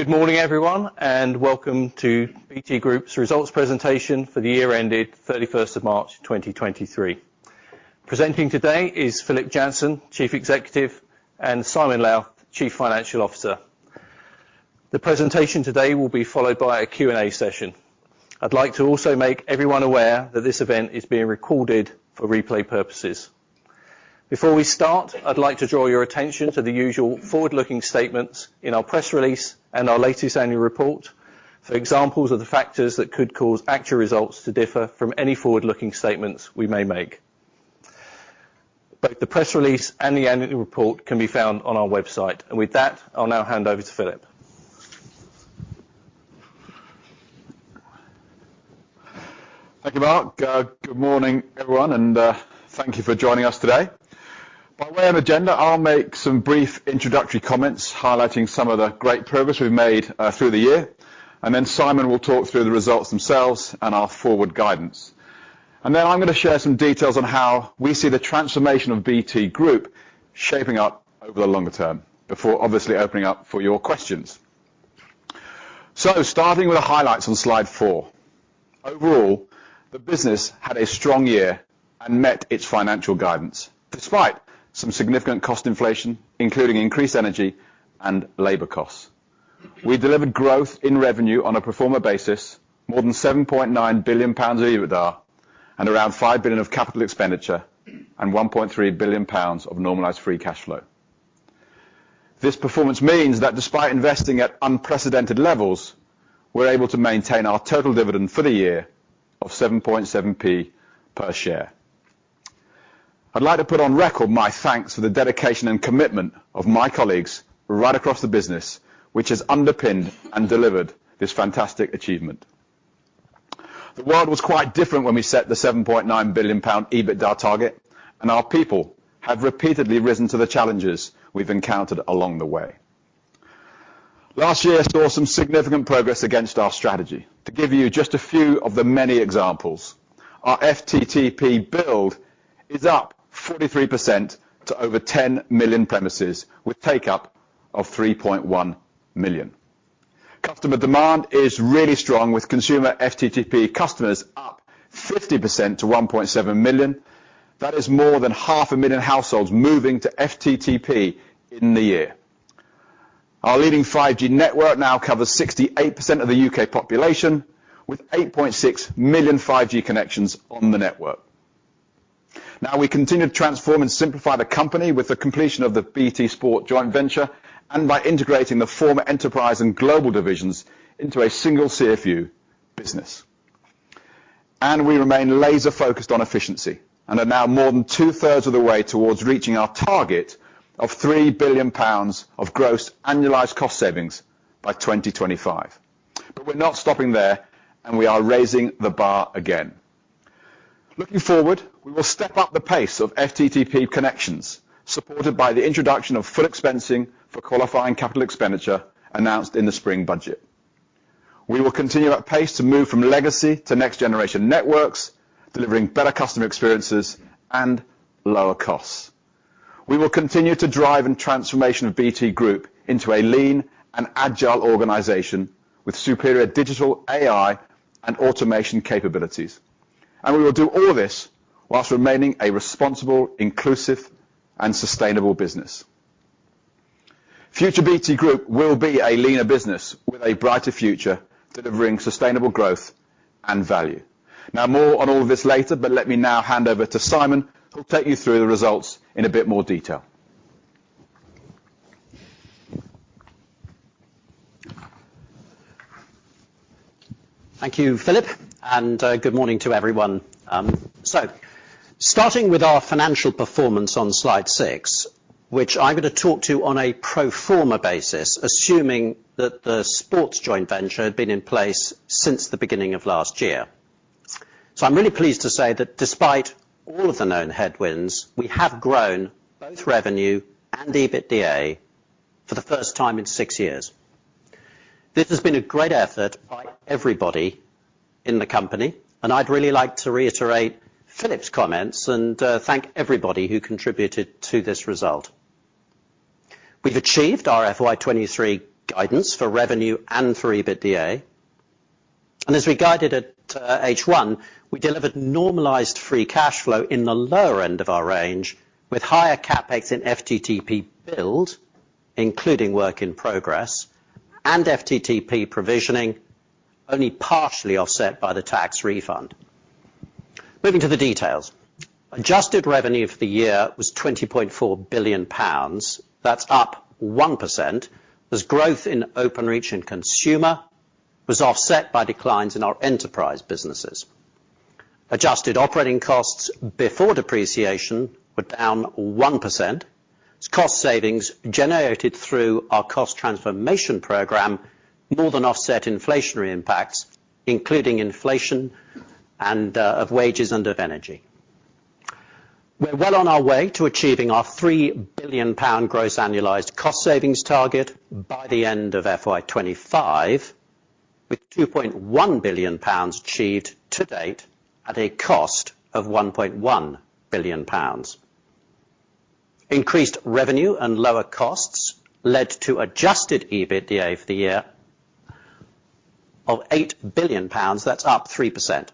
Good morning, everyone, welcome to BT Group's results presentation for the year ended 31st of March, 2023. Presenting today is Philip Jansen, Chief Executive, and Simon Lowth, Chief Financial Officer. The presentation today will be followed by a Q&A session. I'd like to also make everyone aware that this event is being recorded for replay purposes. Before we start, I'd like to draw your attention to the usual forward-looking statements in our press release and our latest annual report for examples of the factors that could cause actual results to differ from any forward-looking statements we may make. Both the press release and the annual report can be found on our website. With that, I'll now hand over to Philip. Thank you, Mark. Good morning, everyone, and thank you for joining us today. By way of agenda, I'll make some brief introductory comments highlighting some of the great progress we've made through the year. Simon will talk through the results themselves and our forward guidance. I'm gonna share some details on how we see the transformation of BT Group shaping up over the longer term before obviously opening up for your questions. Starting with the highlights on slide four. Overall, the business had a strong year and met its financial guidance, despite some significant cost inflation, including increased energy and labor costs. We delivered growth in revenue on a pro forma basis, more than 7.9 billion pounds of EBITDA, and around 5 billion of capital expenditure and 1.3 billion pounds of normalized free cash flow. This performance means that despite investing at unprecedented levels, we're able to maintain our total dividend for the year of 7.7p per share. I'd like to put on record my thanks for the dedication and commitment of my colleagues right across the business, which has underpinned and delivered this fantastic achievement. The world was quite different when we set the 7.9 billion pound EBITDA target, our people have repeatedly risen to the challenges we've encountered along the way. Last year saw some significant progress against our strategy. To give you just a few of the many examples, our FTTP build is up 43% to over 10 million premises, with take-up of 3.1 million. Customer demand is really strong, with consumer FTTP customers up 50% to 1.7 million. That is more than half a million households moving to FTTP in the year. Our leading 5G network now covers 68% of the UK population, with 8.6 million 5G connections on the network. We continue to transform and simplify the company with the completion of the BT Sport joint venture and by integrating the former enterprise and global divisions into a single CFU business. We remain laser-focused on efficiency and are now more than two-thirds of the way towards reaching our target of 3 billion pounds of gross annualized cost savings by 2025. We're not stopping there, and we are raising the bar again. Looking forward, we will step up the pace of FTTP connections, supported by the introduction of full expensing for qualifying capital expenditure announced in the spring budget. We will continue at pace to move from legacy to next-generation networks, delivering better customer experiences and lower costs. We will continue to drive in transformation of BT Group into a lean and agile organization with superior digital AI and automation capabilities. We will do all this whilst remaining a responsible, inclusive, and sustainable business. Future BT Group will be a leaner business with a brighter future, delivering sustainable growth and value. More on all this later, but let me now hand over to Simon, who will take you through the results in a bit more detail. Thank you, Philip, and good morning to everyone. Starting with our financial performance on slide 6, which I'm gonna talk to on a pro forma basis, assuming that the sports joint venture had been in place since the beginning of last year. I'm really pleased to say that despite all of the known headwinds, we have grown both revenue and EBITDA for the first time in six years. This has been a great effort by everybody in the company, and I'd really like to reiterate Philip's comments and thank everybody who contributed to this result. We've achieved our FY 2023 guidance for revenue and for EBITDA. As we guided at H1, we delivered normalized free cash flow in the lower end of our range, with higher CapEx in FTTP build, including work in progress and FTTP provisioning, only partially offset by the tax refund. Moving to the details. Adjusted revenue for the year was 20.4 billion pounds. That's up 1%. As growth in Openreach and consumer was offset by declines in our enterprise businesses. Adjusted operating costs before depreciation were down 1%, as cost savings generated through our cost transformation program more than offset inflationary impacts, including inflation and of wages and of energy. We're well on our way to achieving our 3 billion pound gross annualized cost savings target by the end of FY25. With £2.1 billion achieved to date at a cost of £1.1 billion. Increased revenue and lower costs led to adjusted EBITDA for the year of 8 billion pounds. That's up 3%.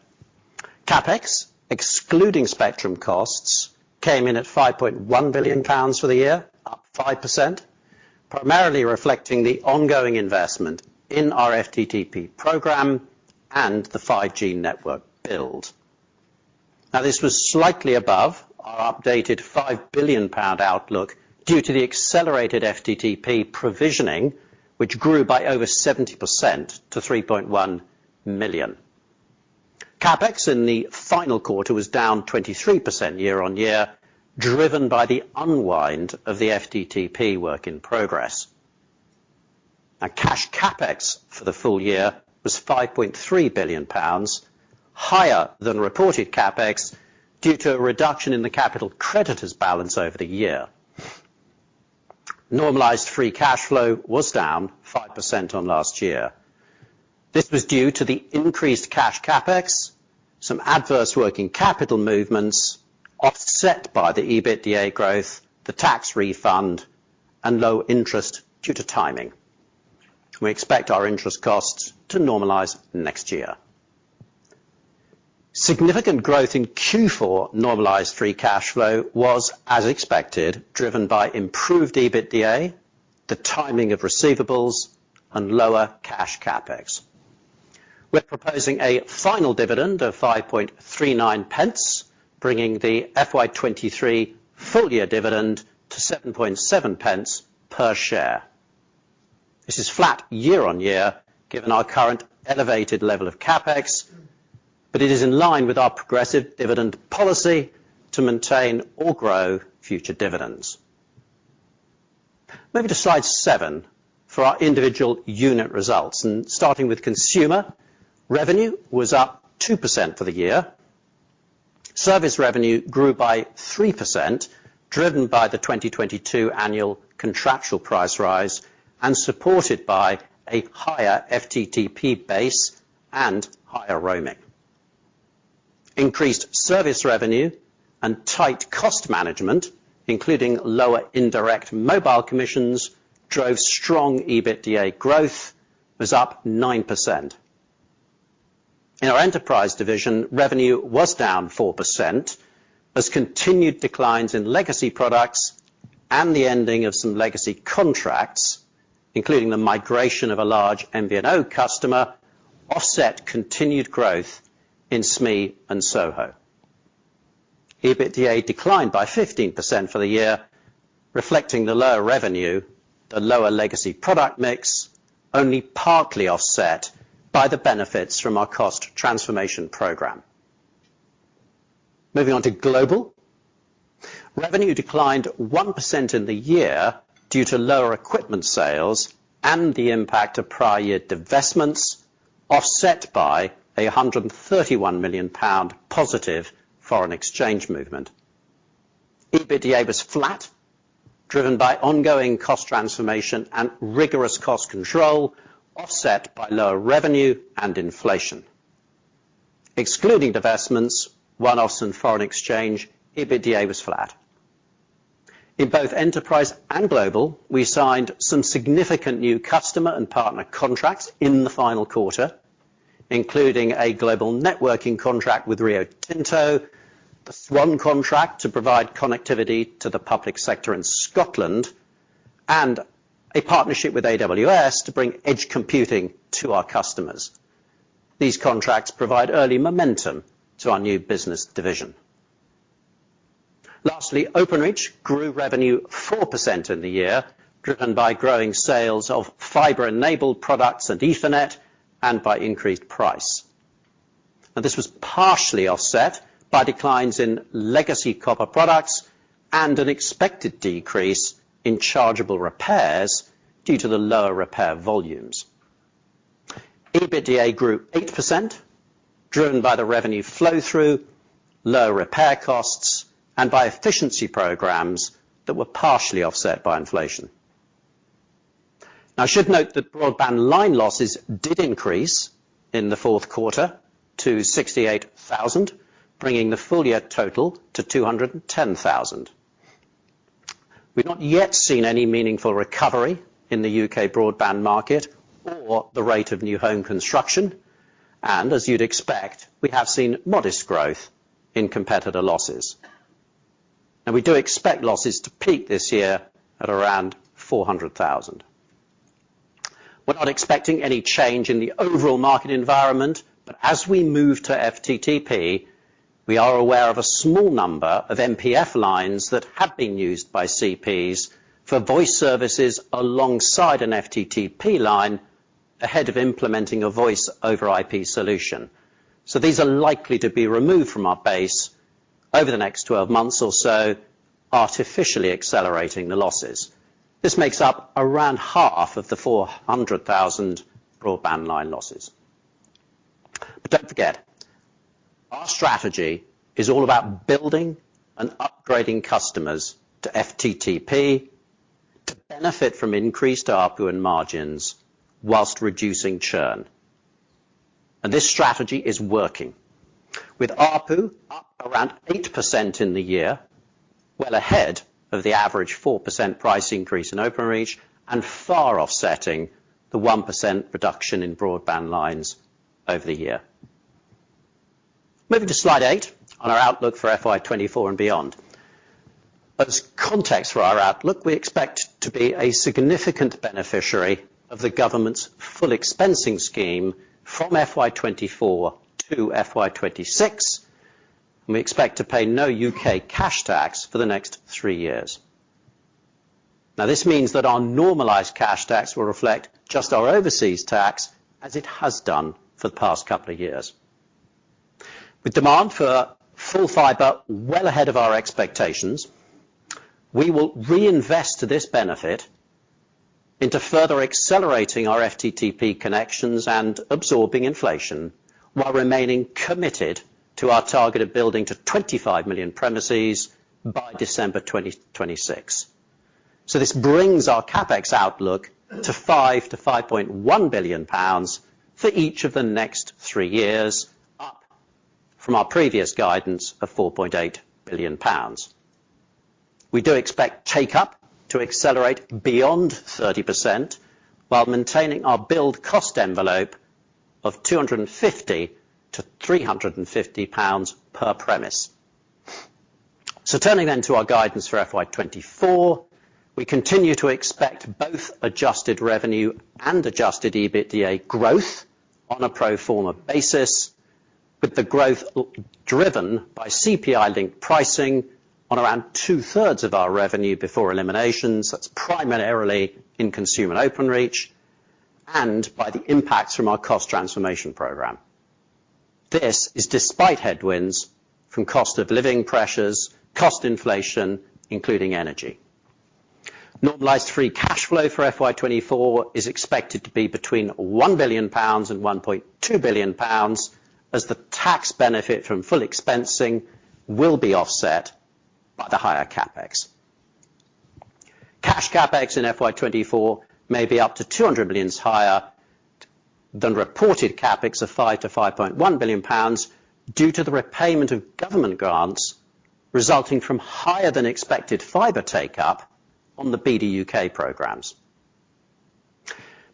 CapEx, excluding spectrum costs, came in at £5.1 billion for the year, up 5%, primarily reflecting the ongoing investment in our FTTP program and the 5G network build. This was slightly above our updated 5 billion pound outlook due to the accelerated FTTP provisioning, which grew by over 70% to 3.1 million. CapEx in the final quarter was down 23% year-on-year, driven by the unwind of the FTTP work in progress. Our cash CapEx for the full year was 5.3 billion pounds, higher than reported CapEx due to a reduction in the capital creditors balance over the year. Normalized free cash flow was down 5% on last year. This was due to the increased cash CapEx, some adverse working capital movements offset by the EBITDA growth, the tax refund, and low interest due to timing. We expect our interest costs to normalize next year. Significant growth in Q4 normalized free cash flow was, as expected, driven by improved EBITDA, the timing of receivables, and lower cash CapEx. We're proposing a final dividend of 5.39 pence, bringing the FY23 full-year dividend to 7.7 pence per share. This is flat year-on-year, given our current elevated level of CapEx. It is in line with our progressive dividend policy to maintain or grow future dividends. Moving to slide 7 for our individual unit results, starting with consumer, revenue was up 2% for the year. Service revenue grew by 3%, driven by the 2022 annual contractual price rise and supported by a higher FTTP base and higher roaming. Increased service revenue and tight cost management, including lower indirect mobile commissions, drove strong EBITDA growth. It was up 9%. In our enterprise division, revenue was down 4% as continued declines in legacy products and the ending of some legacy contracts, including the migration of a large MVNO customer, offset continued growth in SME and SOHO. EBITDA declined by 15% for the year, reflecting the lower revenue, the lower legacy product mix, only partly offset by the benefits from our cost transformation program. Moving on to global. Revenue declined 1% in the year due to lower equipment sales and the impact of prior year divestments, offset by a 131 million pound positive foreign exchange movement. EBITDA was flat, driven by ongoing cost transformation and rigorous cost control, offset by lower revenue and inflation. Excluding divestments, one-offs and foreign exchange, EBITDA was flat. In both enterprise and global, we signed some significant new customer and partner contracts in the final quarter, including a global networking contract with Rio Tinto, the SWAN contract to provide connectivity to the public sector in Scotland, and a partnership with AWS to bring edge computing to our customers. These contracts provide early momentum to our new business division. Lastly, Openreach grew revenue 4% in the year, driven by growing sales of fiber-enabled products and Ethernet, and by increased price. This was partially offset by declines in legacy copper products and an expected decrease in chargeable repairs due to the lower repair volumes. EBITDA grew 8%, driven by the revenue flow-through, lower repair costs, and by efficiency programs that were partially offset by inflation. I should note that broadband line losses did increase in the fourth quarter to 68,000, bringing the full year total to 210,000. We've not yet seen any meaningful recovery in the UK broadband market or the rate of new home construction. As you'd expect, we have seen modest growth in competitor losses. We do expect losses to peak this year at around 400,000. We're not expecting any change in the overall market environment, but as we move to FTTP, we are aware of a small number of MPF lines that have been used by CPs for voice services alongside an FTTP line ahead of implementing a Voice over IP solution. These are likely to be removed from our base over the next 12 months or so, artificially accelerating the losses. This makes up around half of the 400,000 broadband line losses. Don't forget, our strategy is all about building and upgrading customers to FTTP to benefit from increased ARPU and margins whilst reducing churn. This strategy is working. With ARPU up around 8% in the year, well ahead of the average 4% price increase in Openreach, and far offsetting the 1% reduction in broadband lines over the year. Moving to slide 8 on our outlook for FY 2024 and beyond. As context for our outlook, we expect to be a significant beneficiary of the government's full expensing scheme from FY 2024 to FY 2026, and we expect to pay no UK cash tax for the next three years. This means that our normalized cash tax will reflect just our overseas tax as it has done for the past couple of years. With demand for full fibre well ahead of our expectations, we will reinvest this benefit into further accelerating our FTTP connections and absorbing inflation while remaining committed to our target of building to 25 million premises by December 2026. This brings our CapEx outlook to 5 billion-5.1 billion pounds for each of the next three years, up from our previous guidance of 4.8 billion pounds. We do expect take-up to accelerate beyond 30% while maintaining our build cost envelope of 250-350 pounds per premise. Turning then to our guidance for FY 2024, we continue to expect both adjusted revenue and adjusted EBITDA growth on a pro forma basis. With the growth driven by CPI-linked pricing on around two-thirds of our revenue before eliminations, that's primarily in consumer and Openreach, and by the impacts from our cost transformation program. This is despite headwinds from cost of living pressures, cost inflation, including energy. Normalized free cash flow for FY 2024 is expected to be between 1 billion pounds and 1.2 billion pounds as the tax benefit from full expensing will be offset by the higher CapEx. Cash CapEx in FY 2024 may be up to 200 million higher than reported CapEx of 5 billion-5.1 billion pounds due to the repayment of government grants resulting from higher than expected fiber take-up on the BDUK programs.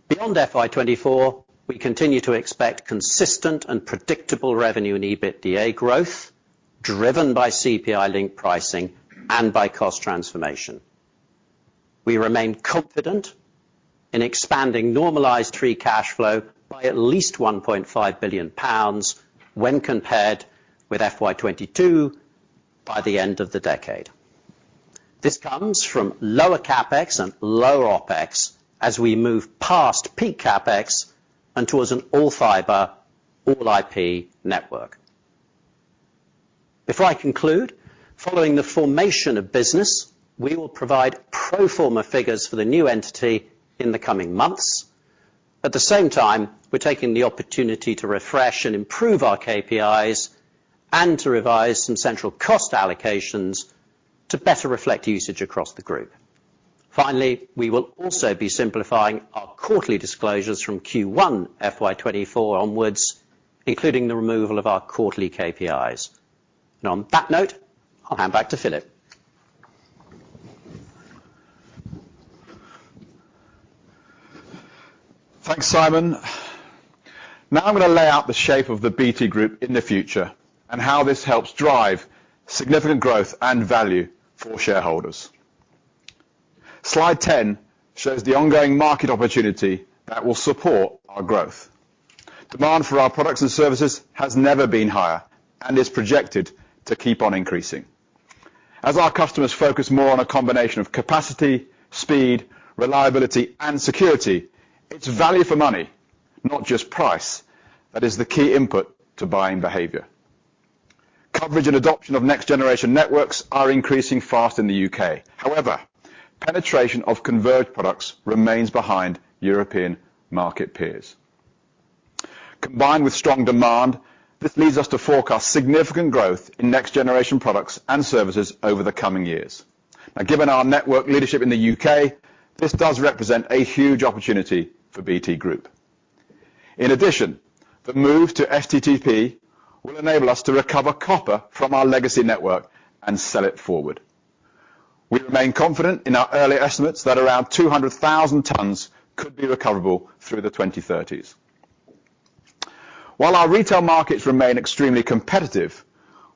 Beyond FY 2024, we continue to expect consistent and predictable revenue and EBITDA growth, driven by CPI-linked pricing and by cost transformation. We remain confident in expanding normalized free cash flow by at least 1.5 billion pounds when compared with FY 2022 by the end of the decade. This comes from lower CapEx and lower OpEx as we move past peak CapEx and towards an all fiber, all IP network. Before I conclude, following the formation of business, we will provide pro forma figures for the new entity in the coming months. At the same time, we're taking the opportunity to refresh and improve our KPIs and to revise some central cost allocations to better reflect usage across the group. Finally, we will also be simplifying our quarterly disclosures from Q1 FY 2024 onwards, including the removal of our quarterly KPIs. On that note, I'll hand back to Philip. Thanks, Simon. I'm gonna lay out the shape of the BT Group in the future and how this helps drive significant growth and value for shareholders. Slide 10 shows the ongoing market opportunity that will support our growth. Demand for our products and services has never been higher and is projected to keep on increasing. As our customers focus more on a combination of capacity, speed, reliability, and security, it's value for money, not just price, that is the key input to buying behavior. Coverage and adoption of next-generation networks are increasing fast in the UK. However, penetration of converged products remains behind European market peers. Combined with strong demand, this leads us to forecast significant growth in next-generation products and services over the coming years. Given our network leadership in the UK, this does represent a huge opportunity for BT Group. In addition, the move to FTTP will enable us to recover copper from our legacy network and sell it forward. We remain confident in our early estimates that around 200,000 tons could be recoverable through the 2030s. While our retail markets remain extremely competitive,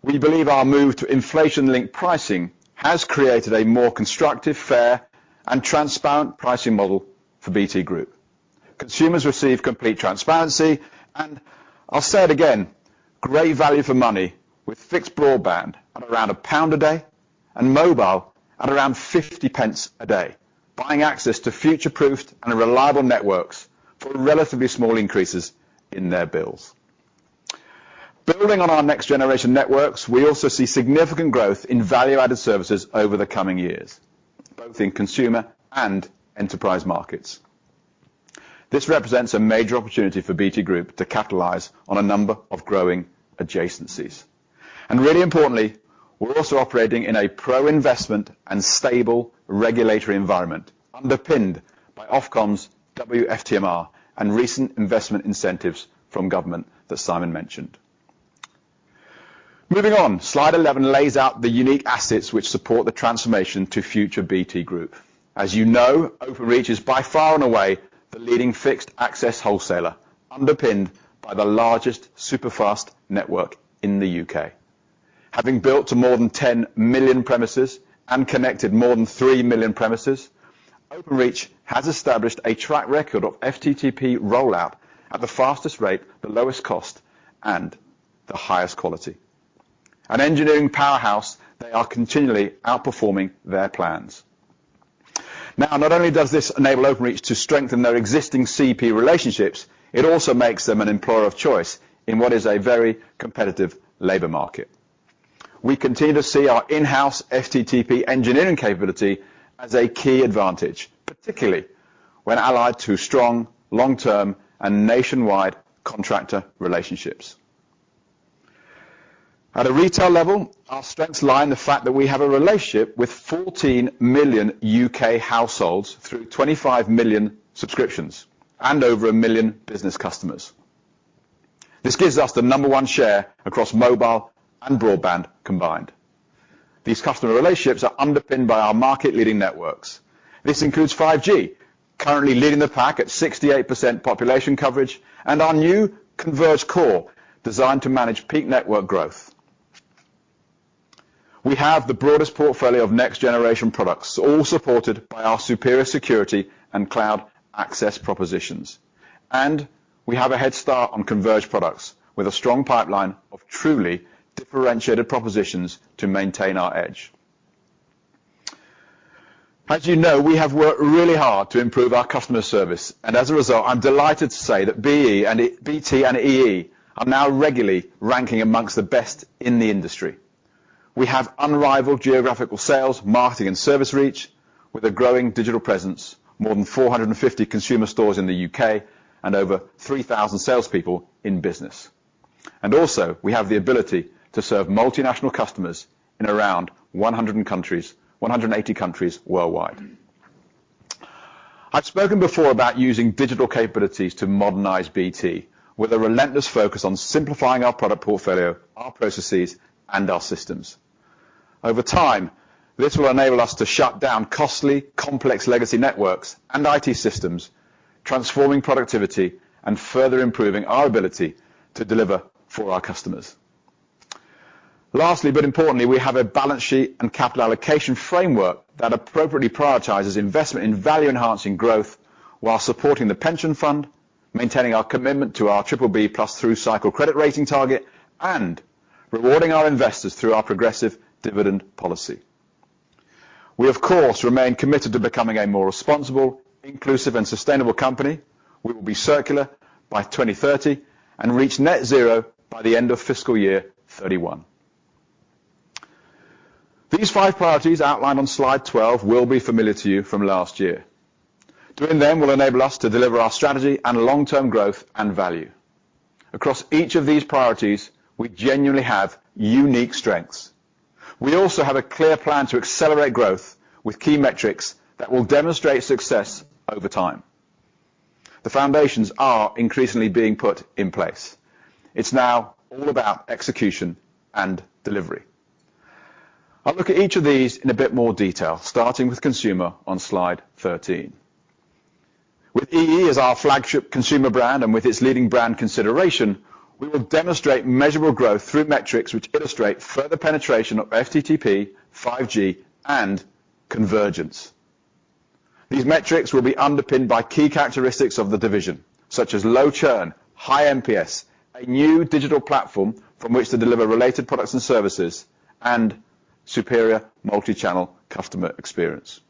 we believe our move to inflation-linked pricing has created a more constructive, fair, and transparent pricing model for BT Group. Consumers receive complete transparency, and I'll say it again, great value for money with fixed broadband at around GBP 1 a day and mobile at around 0.50 a day, buying access to future-proofed and reliable networks for relatively small increases in their bills. Building on our next-generation networks, we also see significant growth in value-added services over the coming years. Both in consumer and enterprise markets. This represents a major opportunity for BT Group to capitalize on a number of growing adjacencies. Really importantly, we're also operating in a pro-investment and stable regulatory environment, underpinned by Ofcom's WFTMR and recent investment incentives from government that Simon mentioned. Moving on, slide 11 lays out the unique assets which support the transformation to future BT Group. As you know, Openreach is by far and away the leading fixed access wholesaler, underpinned by the largest superfast network in the UK. Having built to more than 10 million premises and connected more than 3 million premises, Openreach has established a track record of FTTP rollout at the fastest rate, the lowest cost, and the highest quality. An engineering powerhouse, they are continually outperforming their plans. Now, not only does this enable Openreach to strengthen their existing CP relationships, it also makes them an employer of choice in what is a very competitive labor market. We continue to see our in-house FTTP engineering capability as a key advantage, particularly when allied to strong, long-term, and nationwide contractor relationships. At a retail level, our strengths lie in the fact that we have a relationship with 14 million UK households through 25 million subscriptions and over 1 million business customers. This gives us the number one share across mobile and broadband combined. These customer relationships are underpinned by our market-leading networks. This includes 5G, currently leading the pack at 68% population coverage, and our new converged core, designed to manage peak network growth. We have the broadest portfolio of next-generation products, all supported by our superior security and cloud access propositions. We have a head start on converged products with a strong pipeline of truly differentiated propositions to maintain our edge. As you know, we have worked really hard to improve our customer service, and as a result, I'm delighted to say that BT and EE are now regularly ranking amongst the best in the industry. We have unrivaled geographical sales, marketing, and service reach with a growing digital presence, more than 450 consumer stores in the UK, and over 3,000 salespeople in business. Also, we have the ability to serve multinational customers in around 180 countries worldwide. I've spoken before about using digital capabilities to modernize BT with a relentless focus on simplifying our product portfolio, our processes, and our systems. Over time, this will enable us to shut down costly, complex legacy networks and IT systems, transforming productivity and further improving our ability to deliver for our customers. Lastly, importantly, we have a balance sheet and capital allocation framework that appropriately prioritizes investment in value-enhancing growth while supporting the pension fund, maintaining our commitment to our BBB+ through cycle credit rating target, and rewarding our investors through our progressive dividend policy. We, of course, remain committed to becoming a more responsible, inclusive, and sustainable company. We will be circular by 2030 and reach net zero by the end of fiscal year 31. These five priorities outlined on slide 12 will be familiar to you from last year. Doing them will enable us to deliver our strategy and long-term growth and value. Across each of these priorities, we genuinely have unique strengths. We also have a clear plan to accelerate growth with key metrics that will demonstrate success over time. The foundations are increasingly being put in place. It's now all about execution and delivery. I'll look at each of these in a bit more detail, starting with consumer on slide 13. With EE as our flagship consumer brand and with its leading brand consideration, we will demonstrate measurable growth through metrics which illustrate further penetration of FTTP, 5G, and convergence. These metrics will be underpinned by key characteristics of the division, such as low churn, high NPS, a new digital platform from which to deliver related products and services, and superior multi-channel customer experience.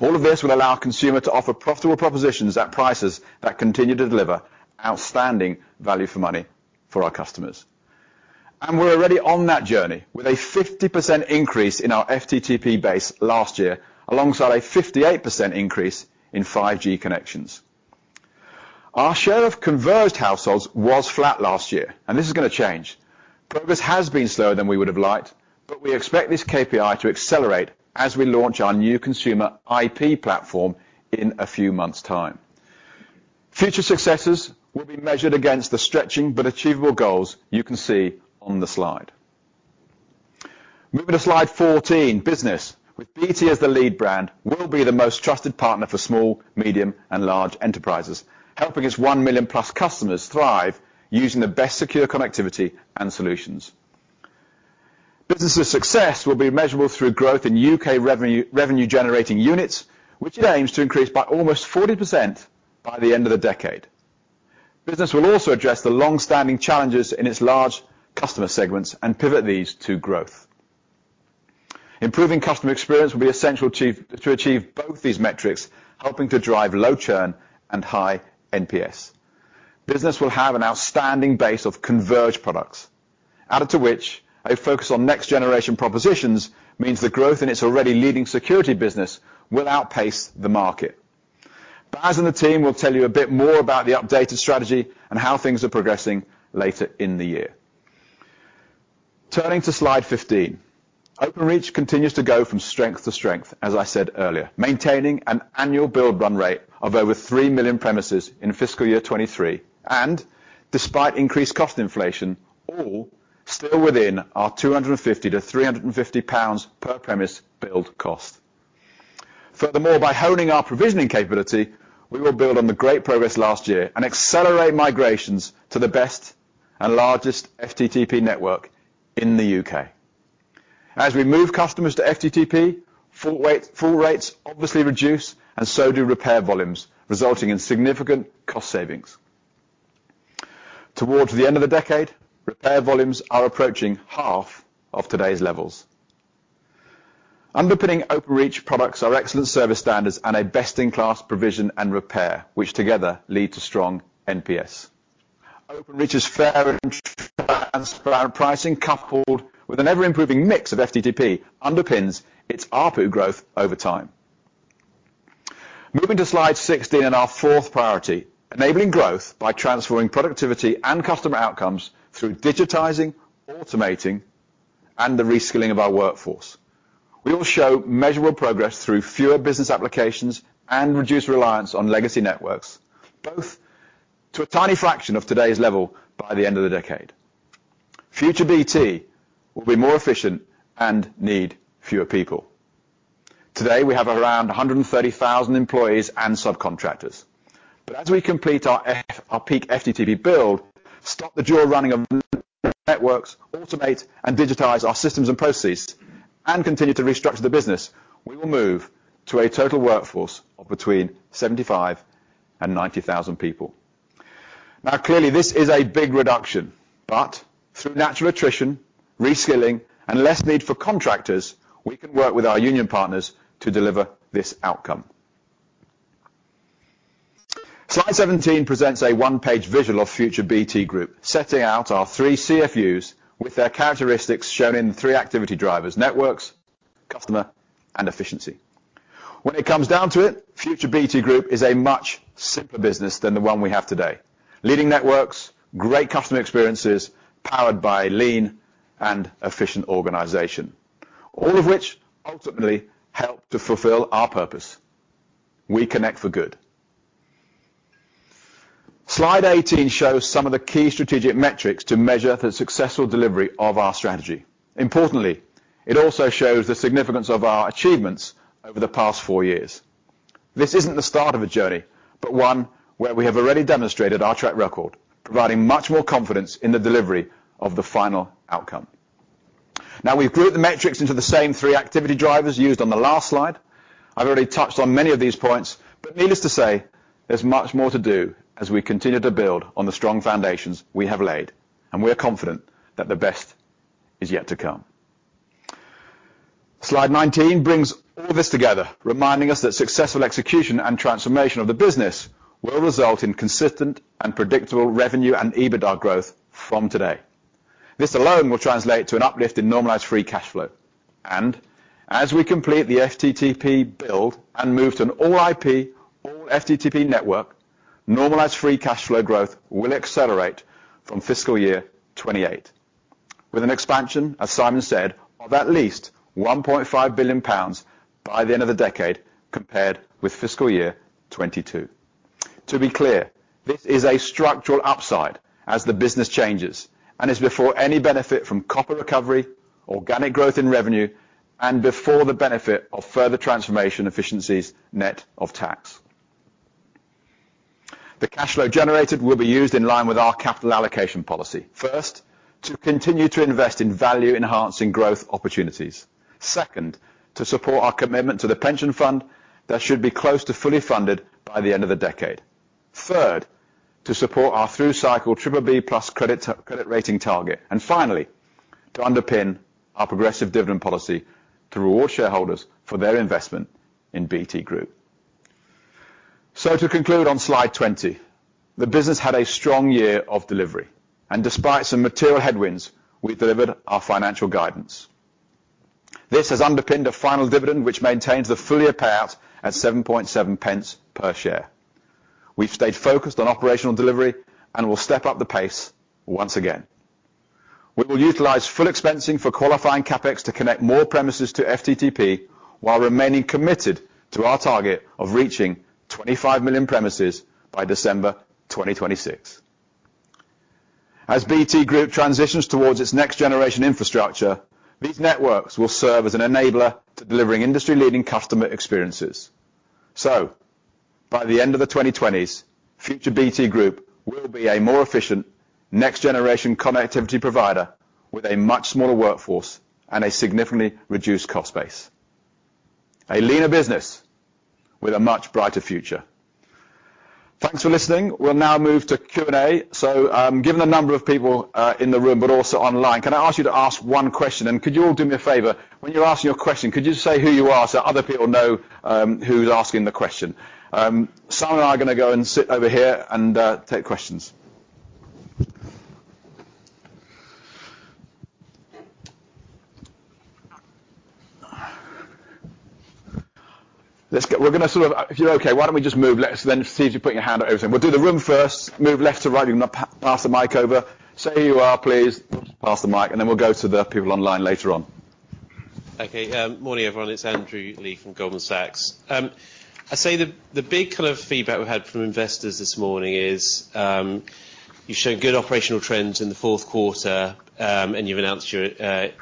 All of this will allow consumer to offer profitable propositions at prices that continue to deliver outstanding value for money for our customers. We're already on that journey with a 50% increase in our FTTP base last year, alongside a 58% increase in 5G connections. Our share of converged households was flat last year, this is gonna change. Progress has been slower than we would have liked, but we expect this KPI to accelerate as we launch our new consumer IP platform in a few months' time. Future successes will be measured against the stretching but achievable goals you can see on the slide. Moving to slide 14, business, with BT as the lead brand, we'll be the most trusted partner for small, medium, and large enterprises, helping its 1 million-plus customers thrive using the best secure connectivity and solutions. Business' success will be measurable through growth in UK revenue-generating units, which it aims to increase by almost 40% by the end of the decade. Business will also address the long-standing challenges in its large customer segments and pivot these to growth. Improving customer experience will be essential to achieve both these metrics, helping to drive low churn and high NPS. Business will have an outstanding base of converged products, added to which a focus on next generation propositions means the growth in its already leading security business will outpace the market. Bas and the team will tell you a bit more about the updated strategy and how things are progressing later in the year. Turning to slide 15. Openreach continues to go from strength to strength, as I said earlier, maintaining an annual build run rate of over 3 million premises in fiscal year 2023. Despite increased cost inflation, all still within our 250-350 pounds per premise build cost. By honing our provisioning capability, we will build on the great progress last year and accelerate migrations to the best and largest FTTP network in the UK. As we move customers to FTTP, full rates obviously reduce and so do repair volumes, resulting in significant cost savings. Towards the end of the decade, repair volumes are approaching half of today's levels. Underpinning Openreach products are excellent service standards and a best-in-class provision and repair, which together lead to strong NPS. Openreach's fair and transparent pricing, coupled with an ever-improving mix of FTTP, underpins its ARPU growth over time. Moving to slide 16 and our fourth priority, enabling growth by transforming productivity and customer outcomes through digitizing, automating, and the reskilling of our workforce. We will show measurable progress through fewer business applications and reduced reliance on legacy networks, both to a tiny fraction of today's level by the end of the decade. Future BT will be more efficient and need fewer people. Today, we have around 130,000 employees and subcontractors. As we complete our peak FTTP build, stop the dual running of networks, automate and digitize our systems and processes, and continue to restructure the business, we will move to a total workforce of between 75,000 and 90,000 people. Clearly, this is a big reduction, but through natural attrition, reskilling, and less need for contractors, we can work with our union partners to deliver this outcome. Slide 17 presents a one-page visual of future BT Group, setting out our three CFUs with their characteristics shown in three activity drivers, networks, customer, and efficiency. When it comes down to it, future BT Group is a much simpler business than the one we have today. Leading networks, great customer experiences, powered by a lean and efficient organization, all of which ultimately help to fulfill our purpose. We connect for good. Slide 18 shows some of the key strategic metrics to measure the successful delivery of our strategy. Importantly, it also shows the significance of our achievements over the past four years. This isn't the start of a journey, but one where we have already demonstrated our track record, providing much more confidence in the delivery of the final outcome. We've grouped the metrics into the same three activity drivers used on the last slide. I've already touched on many of these points, but needless to say, there's much more to do as we continue to build on the strong foundations we have laid, and we're confident that the best is yet to come. Slide 19 brings all this together, reminding us that successful execution and transformation of the business will result in consistent and predictable revenue and EBITDA growth from today. This alone will translate to an uplift in normalized free cash flow. As we complete the FTTP build and move to an all IP, all FTTP network, normalized free cash flow growth will accelerate from fiscal year 2028. With an expansion, as Simon said, of at least 1.5 billion pounds by the end of the decade compared with fiscal year 2022. To be clear, this is a structural upside as the business changes and is before any benefit from copper recovery, organic growth in revenue, and before the benefit of further transformation efficiencies net of tax. The cash flow generated will be used in line with our capital allocation policy. First, to continue to invest in value-enhancing growth opportunities. Second, to support our commitment to the pension fund that should be close to fully funded by the end of the decade. Third, to support our through cycle BBB+ credit rating target. Finally, to underpin our progressive dividend policy to reward shareholders for their investment in BT Group. To conclude on slide 20, the business had a strong year of delivery. Despite some material headwinds, we delivered our financial guidance. This has underpinned a final dividend, which maintains the full year payout at 0.077 per share. We've stayed focused on operational delivery and will step up the pace once again. We will utilize full expensing for qualifying CapEx to connect more premises to FTTP while remaining committed to our target of reaching 25 million premises by December 2026. As BT Group transitions towards its next generation infrastructure, these networks will serve as an enabler to delivering industry-leading customer experiences. By the end of the 2020s, future BT Group will be a more efficient next generation connectivity provider with a much smaller workforce and a significantly reduced cost base. A leaner business with a much brighter future. Thanks for listening. We'll now move to Q&A. Given the number of people in the room, but also online, can I ask you to ask 1 question? Could you all do me a favor? When you're asking your question, could you just say who you are so other people know, who's asking the question? Simon and I are gonna go and sit over here and take questions. We're gonna sort of, if you're okay, why don't we just move left, then see if you're putting your hand up every time. We'll do the room first, move left to right, and we'll pass the mic over. Say who you are please, pass the mic, and then we'll go to the people online later on. Okay. Morning, everyone. It's Andrew Lee from Goldman Sachs. I say the big kind of feedback we've had from investors this morning is, you've shown good operational trends in the fourth quarter, and you've announced you're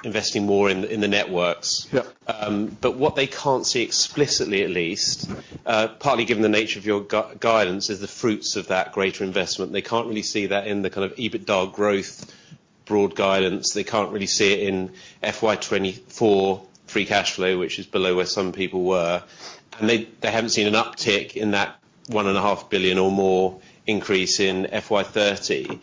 investing more in the networks. Yep. What they can't see explicitly at least, partly given the nature of your guidance is the fruits of that greater investment. They can't really see that in the kind of EBITDA growth broad guidance. They can't really see it in FY 2024 free cash flow, which is below where some people were. They haven't seen an uptick in that 1.5 billion or more increase in FY 2030.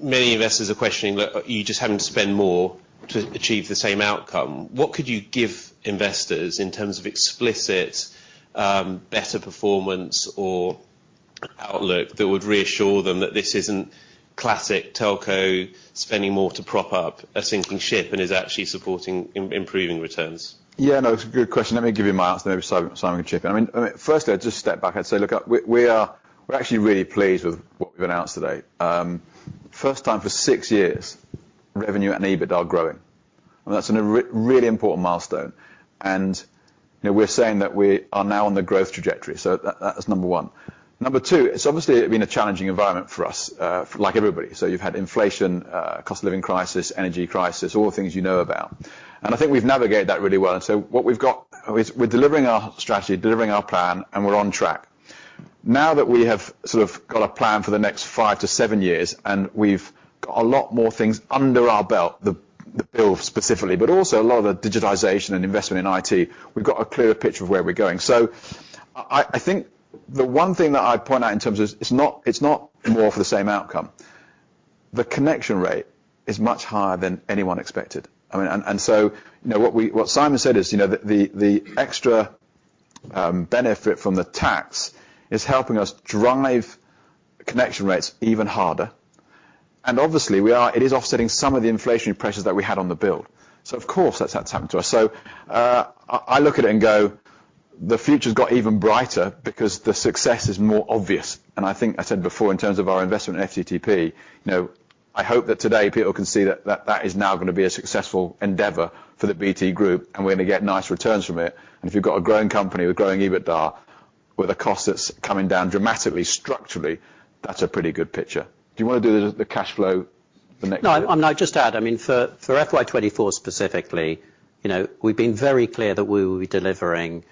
Many investors are questioning that are you just having to spend more to achieve the same outcome. What could you give investors in terms of explicit better performance or outlook that would reassure them that this isn't classic telco spending more to prop up a sinking ship and is actually supporting improving returns? Yeah, no, it's a good question. Let me give you my answer, maybe Simon can chip in. I mean, firstly, I'd just step back and say, look, we are actually really pleased with what we've announced today. First time for six years, revenue and EBITDA are growing. That's a really important milestone. You know, we're saying that we are now on the growth trajectory. That is number one. Number two, it's obviously been a challenging environment for us, like everybody. You've had inflation, cost of living crisis, energy crisis, all the things you know about. I think we've navigated that really well. What we've got is we're delivering our strategy, delivering our plan, and we're on track. Now that we have sort of got a plan for the next 5-7 years, and we've got a lot more things under our belt, the build specifically, but also a lot of the digitization and investment in IT, we've got a clearer picture of where we're going. I think the one thing that I'd point out in terms of it's not more for the same outcome. The connection rate is much higher than anyone expected. I mean, you know, what Simon said is, you know, the extra benefit from the tax is helping us drive connection rates even harder. Obviously, it is offsetting some of the inflationary pressures that we had on the build. Of course, that's what's happened to us. I look at it and go, the future's got even brighter because the success is more obvious. I think I said before in terms of our investment in FTTP, you know, I hope that today people can see that is now gonna be a successful endeavor for the BT Group, and we're gonna get nice returns from it. If you've got a growing company with growing EBITDA, with a cost that's coming down dramatically structurally, that's a pretty good picture. Do you wanna do the cash flow, the next one? No, I'll just add, I mean, for FY 2024 specifically, you know, we've been very clear that we will be delivering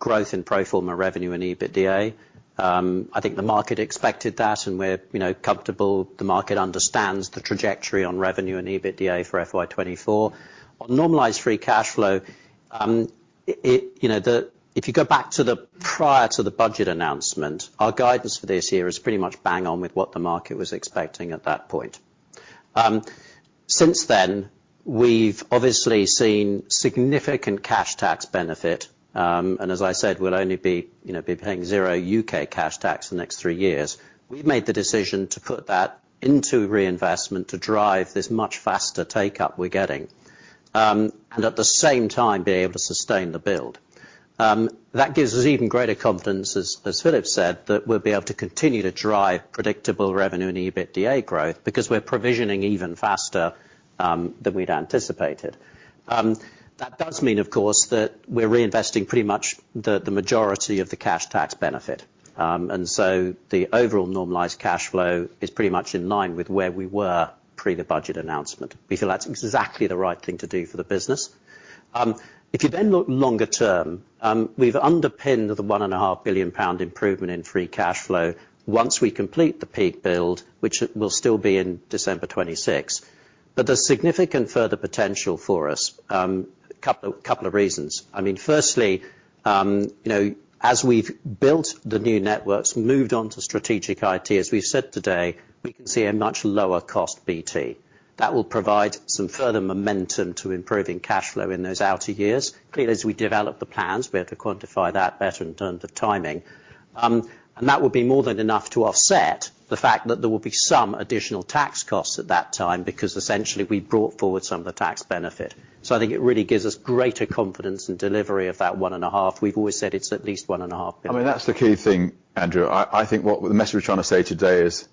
growth in pro forma revenue and EBITDA. I think the market expected that, and we're, you know, comfortable the market understands the trajectory on revenue and EBITDA for FY 2024. On normalized free cash flow, if you go back to the prior to the budget announcement, our guidance for this year is pretty much bang on with what the market was expecting at that point. Since then, we've obviously seen significant cash tax benefit, and as I said, we'll only be, you know, be paying zero UK cash tax for the next three years. We've made the decision to put that into reinvestment to drive this much faster take-up we're getting, and at the same time being able to sustain the build. That gives us even greater confidence, as Philip said, that we'll be able to continue to drive predictable revenue and EBITDA growth because we're provisioning even faster than we'd anticipated. That does mean, of course, that we're reinvesting pretty much the majority of the cash tax benefit. The overall normalized cash flow is pretty much in line with where we were pre the budget announcement. We feel that's exactly the right thing to do for the business. If you look longer term, we've underpinned the one and a half billion GBP improvement in free cash flow once we complete the peak build, which it will still be in December 2026. There's significant further potential for us, a couple of reasons. I mean, firstly, you know, as we've built the new networks, moved on to strategic IT, as we've said today, we can see a much lower cost BT. That will provide some further momentum to improving cash flow in those outer years. Clearly, as we develop the plans, we have to quantify that better in terms of timing. That would be more than enough to offset the fact that there will be some additional tax costs at that time because essentially we brought forward some of the tax benefit. I think it really gives us greater confidence in delivery of that one and a half. We've always said it's at least one and a half billion. I mean, that's the key thing, Andrew. I think what the message we're trying to say today is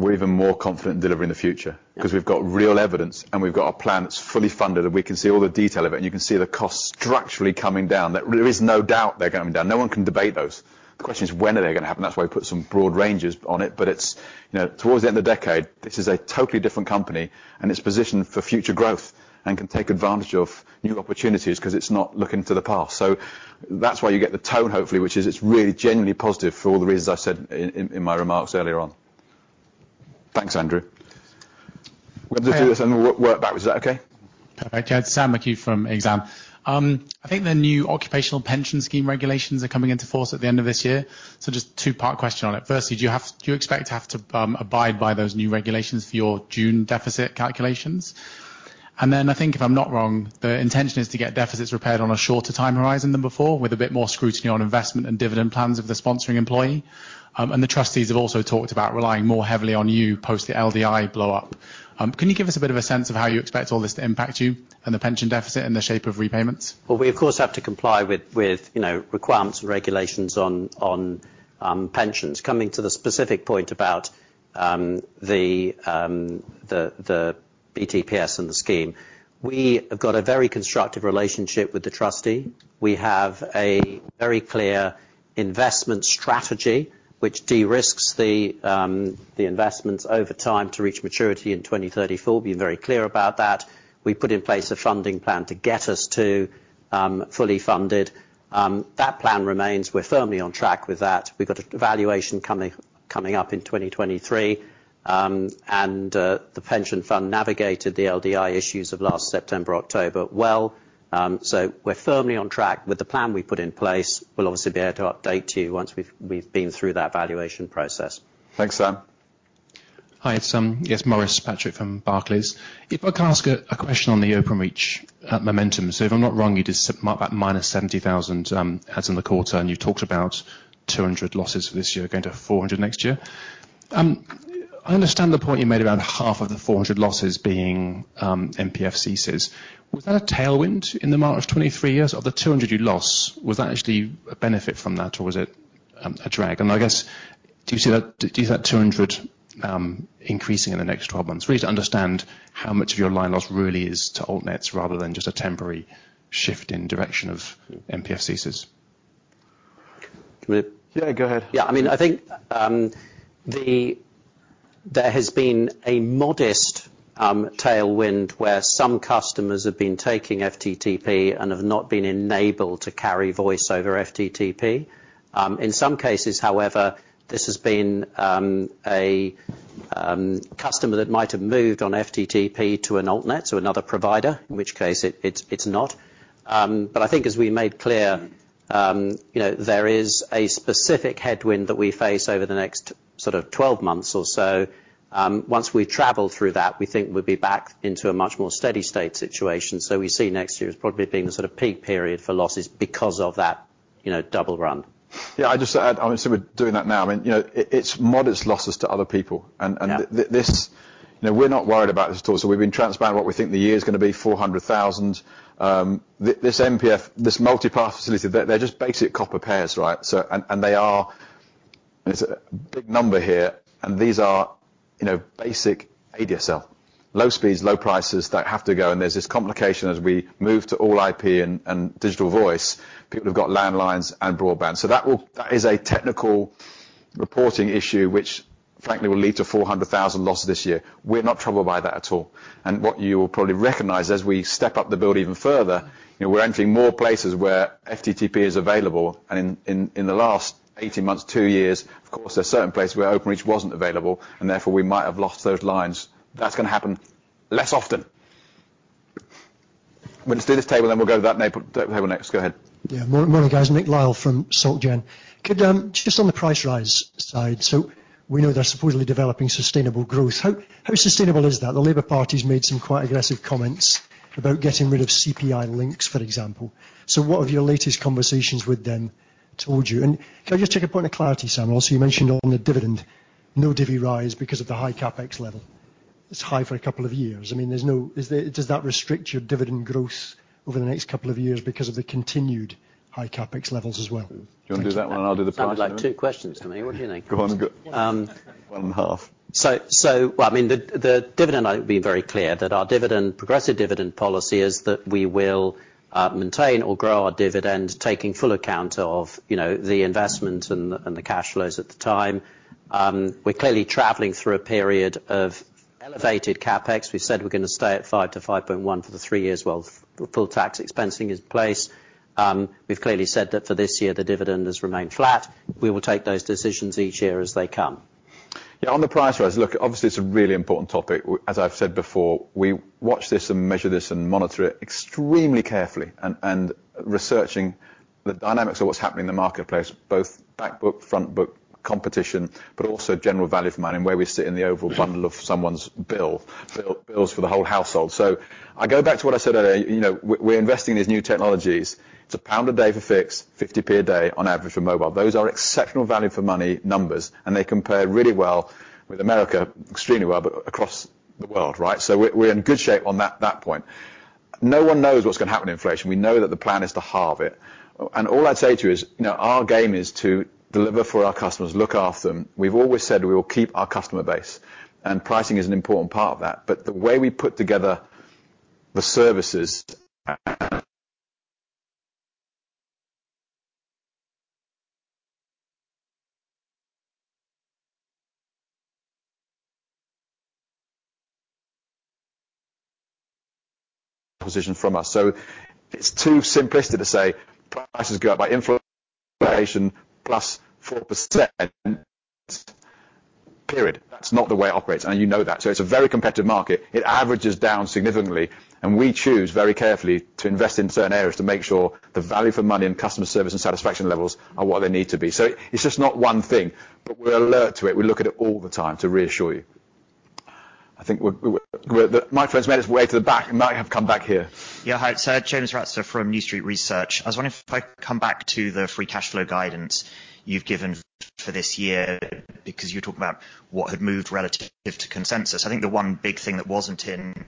we're even more confident in delivering the future because we've got real evidence, and we've got a plan that's fully funded, and we can see all the detail of it, and you can see the costs structurally coming down. There is no doubt they're coming down. No one can debate those. The question is when are they gonna happen? That's why we put some broad ranges on it. It's, you know, towards the end of the decade, this is a totally different company, and it's positioned for future growth and can take advantage of new opportunities 'cause it's not looking to the past. That's why you get the tone, hopefully, which is it's really genuinely positive for all the reasons I said in my remarks earlier on. Thanks, Andrew. We'll just do this and work back. Is that okay? Perfect. Sam McHugh from Exane. I think the new occupational pension scheme regulations are coming into force at the end of this year. Just two-part question on it. Firstly, do you expect to have to abide by those new regulations for your June deficit calculations? I think if I'm not wrong, the intention is to get deficits repaired on a shorter time horizon than before, with a bit more scrutiny on investment and dividend plans of the sponsoring employee. The trustees have also talked about relying more heavily on you post the LDI blowup. Can you give us a bit of a sense of how you expect all this to impact you and the pension deficit and the shape of repayments? Well, we of course, have to comply with, you know, requirements and regulations on pensions. Coming to the specific point about the BTPS and the scheme. We have got a very constructive relationship with the trustee. We have a very clear investment strategy, which de-risks the investments over time to reach maturity in 2034. Be very clear about that. We put in place a funding plan to get us to fully funded. That plan remains. We're firmly on track with that. We've got a valuation coming up in 2023. The pension fund navigated the LDI issues of last September, October, well. We're firmly on track with the plan we put in place. We'll obviously be able to update you once we've been through that valuation process. Thanks, Sam. Hi, Yes, Maurice Patrick from Barclays. If I can ask a question on the Openreach momentum. If I'm not wrong, you just mark that minus 70,000 ads in the quarter, and you talked about 200 losses for this year, going to 400 next year. I understand the point you made about half of the 400 losses being MPF ceases. Was that a tailwind in the market of 23 years? Of the 200 you lost, was that actually a benefit from that, or was it a drag? I guess, do you see that 200 increasing in the next 12 months? Really to understand how much of your line loss really is to altnets rather than just a temporary shift in direction of MPF ceases. Do you want me to- Yeah, go ahead. Yeah. I mean, I think, there has been a modest tailwind where some customers have been taking FTTP and have not been enabled to carry voice over FTTP. In some cases, however, this has been a customer that might have moved on FTTP to an altnet, so another provider, in which case it's not. I think as we made clear, you know, there is a specific headwind that we face over the next sort of 12 months or so. Once we travel through that, we think we'll be back into a much more steady state situation. We see next year as probably being the sort of peak period for losses because of that, you know, double run. Yeah, I just add, obviously, we're doing that now. I mean, you know, it's modest losses to other people. Yeah. You know, we're not worried about this at all. We've been transparent what we think the year's gonna be, 400,000. This MPF, this multipath facility, they're just basic copper pairs, right? It's a big number here, and these are, you know, basic ADSL. Low speeds, low prices that have to go, and there's this complication as we move to All-IP and Digital Voice. People have got landlines and broadband. That is a technical reporting issue which, frankly, will lead to 400,000 losses this year. We're not troubled by that at all. What you will probably recognize as we step up the build even further, you know, we're entering more places where FTTP is available. In the last 18 months, two years, of course, there's certain places where Openreach wasn't available, and therefore, we might have lost those lines. That's gonna happen less often. We'll just do this table, then we'll go to that neighbor, table next. Go ahead. Yeah. Morning, guys. Nicholas Lyall from Soc Gen. Just on the price rise side. We know they're supposedly developing sustainable growth. How sustainable is that? The Labour Party's made some quite aggressive comments about getting rid of CPI links, for example. What have your latest conversations with them told you? Can I just check a point of clarity, Sam? Also, you mentioned on the dividend, no divvy rise because of the high CapEx level. It's high for a couple of years. I mean, does that restrict your dividend growth over the next couple of years because of the continued high CapEx levels as well? Do you wanna do that one? I'll do the price one. Sounds like two questions to me. What do you think? Go on. Yeah. One and a half. Well, I mean, the dividend, I've been very clear that our dividend, progressive dividend policy is that we will maintain or grow our dividend, taking full account of, you know, the investment and the cash flows at the time. We're clearly traveling through a period of elevated CapEx. We've said we're gonna stay at 5-5.1 for the three years while full expensing is in place. We've clearly said that for this year, the dividend has remained flat. We will take those decisions each year as they come. Yeah, on the price rise. Look, obviously, it's a really important topic. As I've said before, we watch this and measure this and monitor it extremely carefully, and researching the dynamics of what's happening in the marketplace, both back book, front book competition, but also general value for money and where we sit in the overall bundle of someone's bills for the whole household. I go back to what I said earlier. You know, we're investing in these new technologies. It's GBP 1 a day for fix, 50 per day on average for mobile. Those are exceptional value for money numbers, and they compare really well with America, extremely well, but across the world, right? We're in good shape on that point. No one knows what's gonna happen in inflation. We know that the plan is to halve it. All I'd say to you is, you know, our game is to deliver for our customers, look after them. We've always said we will keep our customer base, and pricing is an important part of that. The way we put together the services position from us. It's too simplistic to say prices go up by inflation plus 4%, period. That's not the way it operates, and you know that. It's a very competitive market. It averages down significantly, and we choose very carefully to invest in certain areas to make sure the value for money and customer service and satisfaction levels are what they need to be. It's just not one thing, but we're alert to it. We look at it all the time, to reassure you. I think we're My friend's made his way to the back and might have come back here. Hi, sir. James Ratzer from New Street Research. I was wondering if I come back to the free cash flow guidance you've given for this year, because you're talking about what had moved relative to consensus. I think the one big thing that wasn't in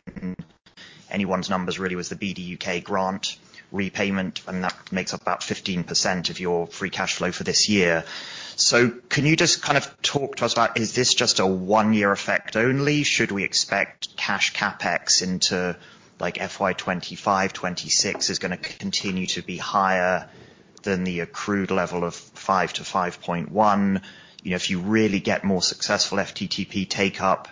anyone's numbers really was the BDUK grant repayment, that makes up about 15% of your free cash flow for this year. Can you just kind of talk to us about, is this just a one-year effect only? Should we expect cash CapEx into, like FY 2025, 2026 is gonna continue to be higher than the accrued level of 5-5.1? You know, if you really get more successful FTTP take up,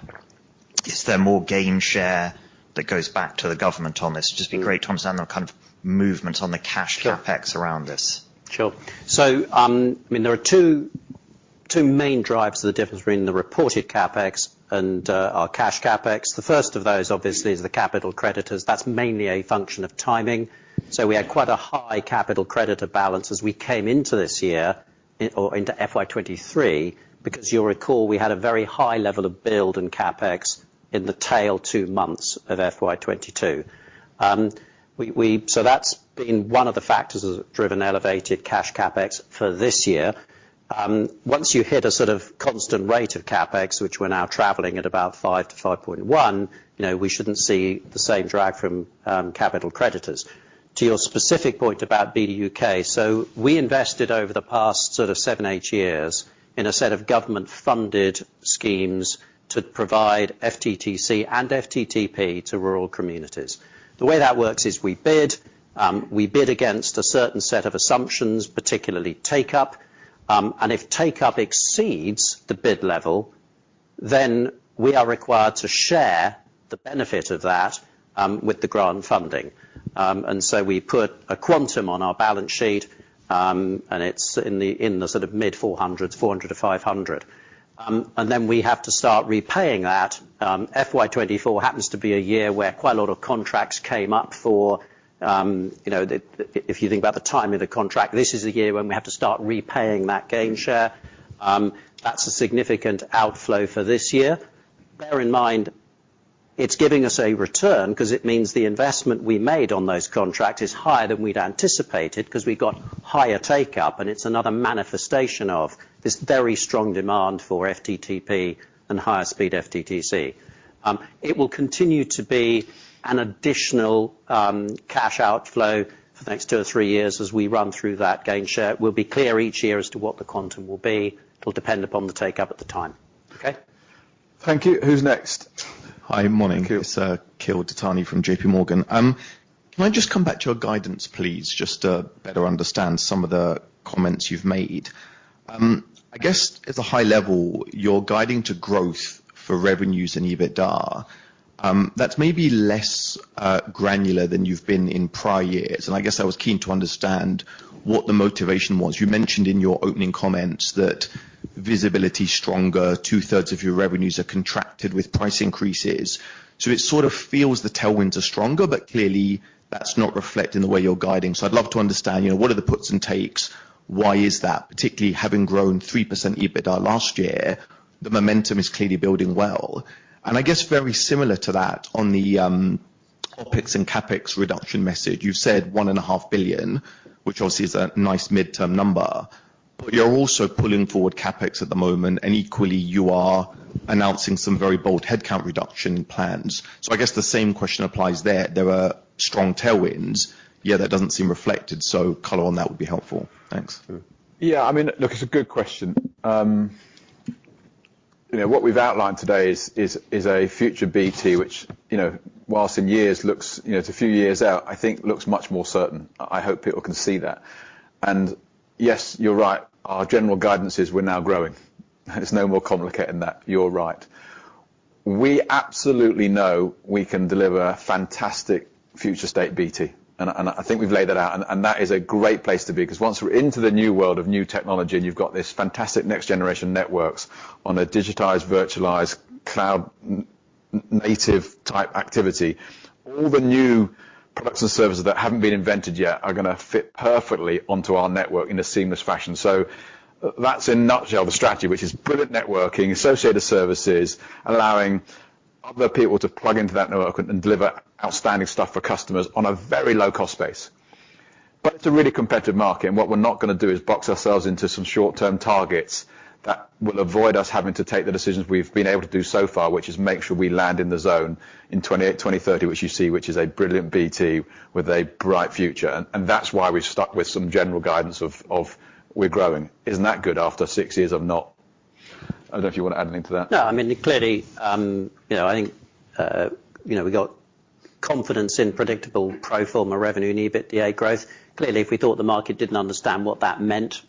is there more gain share that goes back to the government on this? It'd just be great to understand the kind of movement on the cash CapEx around this. Sure. I mean, there are two main drivers of the difference between the reported CapEx and our cash CapEx. The first of those, obviously, is the capital creditors. That's mainly a function of timing. We had quite a high capital creditor balance as we came into this year or into FY 2023, because you'll recall we had a very high level of build in CapEx in the tail two months of FY 2022. That's been one of the factors that have driven elevated cash CapEx for this year. Once you hit a sort of constant rate of CapEx, which we're now traveling at about 5-5.1, you know, we shouldn't see the same drag from capital creditors. To your specific point about BDUK, we invested over the past sort of seven, eight years in a set of government-funded schemes to provide FTTC and FTTP to rural communities. The way that works is we bid, we bid against a certain set of assumptions, particularly take-up. If take-up exceeds the bid level, then we are required to share the benefit of that with the grant funding. We put a quantum on our balance sheet, and it's in the, in the sort of mid-GBP 400s, 400-500. We have to start repaying that. FY 2024 happens to be a year where quite a lot of contracts came up for, you know, if you think about the timing of the contract, this is a year when we have to start repaying that gain share. That's a significant outflow for this year. Bear in mind, it's giving us a return 'cause it means the investment we made on those contracts is higher than we'd anticipated 'cause we got higher take-up, and it's another manifestation of this very strong demand for FTTP and higher speed FTTC. It will continue to be an additional cash outflow for the next two or three years as we run through that gain share. We'll be clear each year as to what the quantum will be. It'll depend upon the take-up at the time. Okay. Thank you. Who's next? Hi. Morning. Thank you. It's Akhil Dattani from JP Morgan. Can I just come back to your guidance, please, just to better understand some of the comments you've made? I guess at the high level, you're guiding to growth for revenues and EBITDA. That's maybe less granular than you've been in prior years. I guess I was keen to understand what the motivation was. You mentioned in your opening comments that visibility is stronger, two-thirds of your revenues are contracted with price increases. It sort of feels the tailwinds are stronger, but clearly that's not reflected in the way you're guiding. I'd love to understand, you know, what are the puts and takes? Why is that? Particularly having grown 3% EBITDA last year, the momentum is clearly building well. I guess very similar to that, on the OpEx and CapEx reduction message, you've said 1.5 billion, which obviously is a nice midterm number. You're also pulling forward CapEx at the moment, and equally you are announcing some very bold headcount reduction plans. I guess the same question applies there. There are strong tailwinds. Yet, that doesn't seem reflected, so color on that would be helpful. Thanks. Yeah. I mean, look, it's a good question. you know, what we've outlined today is a future BT, which, you know, whilst in years looks, you know, it's a few years out, I think looks much more certain. I hope people can see that. Yes, you're right. Our general guidance is we're now growing. It's no more complicated than that. You're right. We absolutely know we can deliver fantastic future state BT, and I think we've laid that out, and that is a great place to be, 'cause once we're into the new world of new technology and you've got this fantastic next generation networks on a digitized, virtualized, cloud native type activity, all the new products and services that haven't been invented yet are gonna fit perfectly onto our network in a seamless fashion. That's in a nutshell the strategy, which is brilliant networking, associated services, allowing other people to plug into that network and deliver outstanding stuff for customers on a very low cost base. It's a really competitive market, and what we're not gonna do is box ourselves into some short-term targets that will avoid us having to take the decisions we've been able to do so far, which is make sure we land in the zone in 2030, which you see, which is a brilliant BT with a bright future. That's why we've stuck with some general guidance of we're growing. Isn't that good after six years of not? I don't know if you wanna add anything to that. No, I mean, clearly, you know, I think, you know, we got confidence in predictable pro forma revenue and EBITDA growth. Clearly, if we thought the market didn't understand what that meant,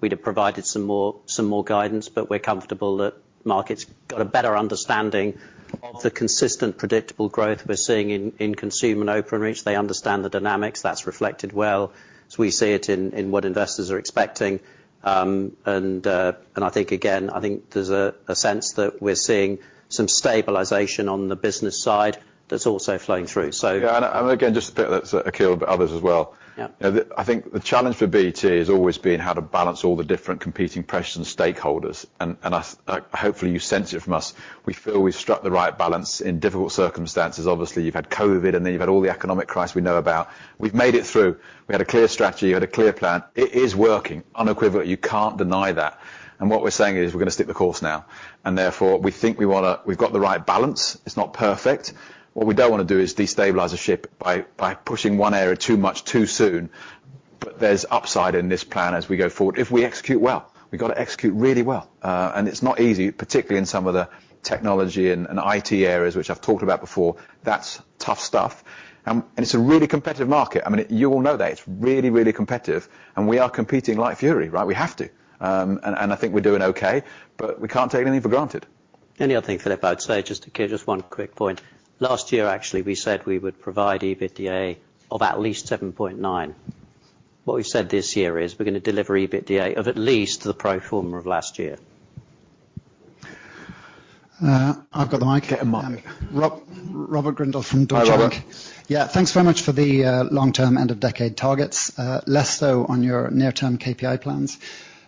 we'd have provided some more, some more guidance, but we're comfortable that market's got a better understanding of the consistent, predictable growth we're seeing in Consumer and Openreach, they understand the dynamics. That's reflected well as we see it in what investors are expecting. I think again, I think there's a sense that we're seeing some stabilization on the business side that's also flowing through. Yeah, again, just to clear, that's Akil, but others as well. Yeah. You know, I think the challenge for BT has always been how to balance all the different competing pressures and stakeholders. I, hopefully you sense it from us, we feel we've struck the right balance in difficult circumstances. Obviously, you've had COVID, and then you've had all the economic crisis we know about. We've made it through. We had a clear strategy. We had a clear plan. It is working unequivocally. You can't deny that. What we're saying is we're gonna stick the course now, and therefore we think we've got the right balance. It's not perfect. What we don't wanna do is destabilize the ship by pushing one area too much too soon. There's upside in this plan as we go forward, if we execute well. We've gotta execute really well. It's not easy, particularly in some of the technology and IT areas which I've talked about before. That's tough stuff. It's a really competitive market. I mean, you all know that. It's really, really competitive, and we are competing like fury, right? We have to. And I think we're doing okay, but we can't take anything for granted. The only other thing, Philip, I'd say just to give just one quick point. Last year actually, we said we would provide EBITDA of at least 7.9. What we've said this year is we're gonna deliver EBITDA of at least the pro forma of last year. I've got the mic. Get the mic. Robert Grindle from Deutsche Bank. Hi, Robert. Yeah. Thanks very much for the long-term end of decade targets, less so on your near-term KPIs plans.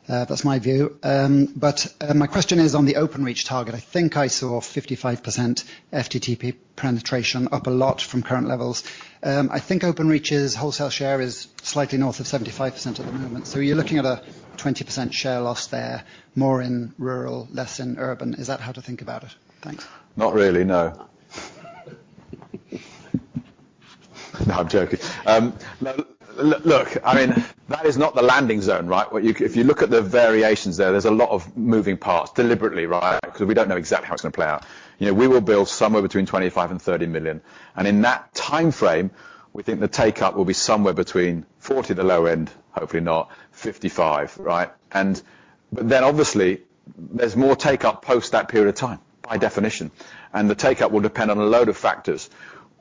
That's my view. My question is on the Openreach target. I think I saw 55% FTTP penetration up a lot from current levels. I think Openreach's wholesale share is slightly north of 75% at the moment. You're looking at a 20% share loss there, more in rural, less in urban. Is that how to think about it? Thanks. Not really, no. No, I'm joking. No, I mean, that is not the landing zone, right? If you look at the variations there's a lot of moving parts deliberately, right? 'Cause we don't know exactly how it's gonna play out. You know, we will build somewhere between 25 and 30 million. In that timeframe, we think the take-up will be somewhere between 40 at the low end, hopefully not, 55, right? Obviously, there's more take-up post that period of time, by definition. The take-up will depend on a load of factors.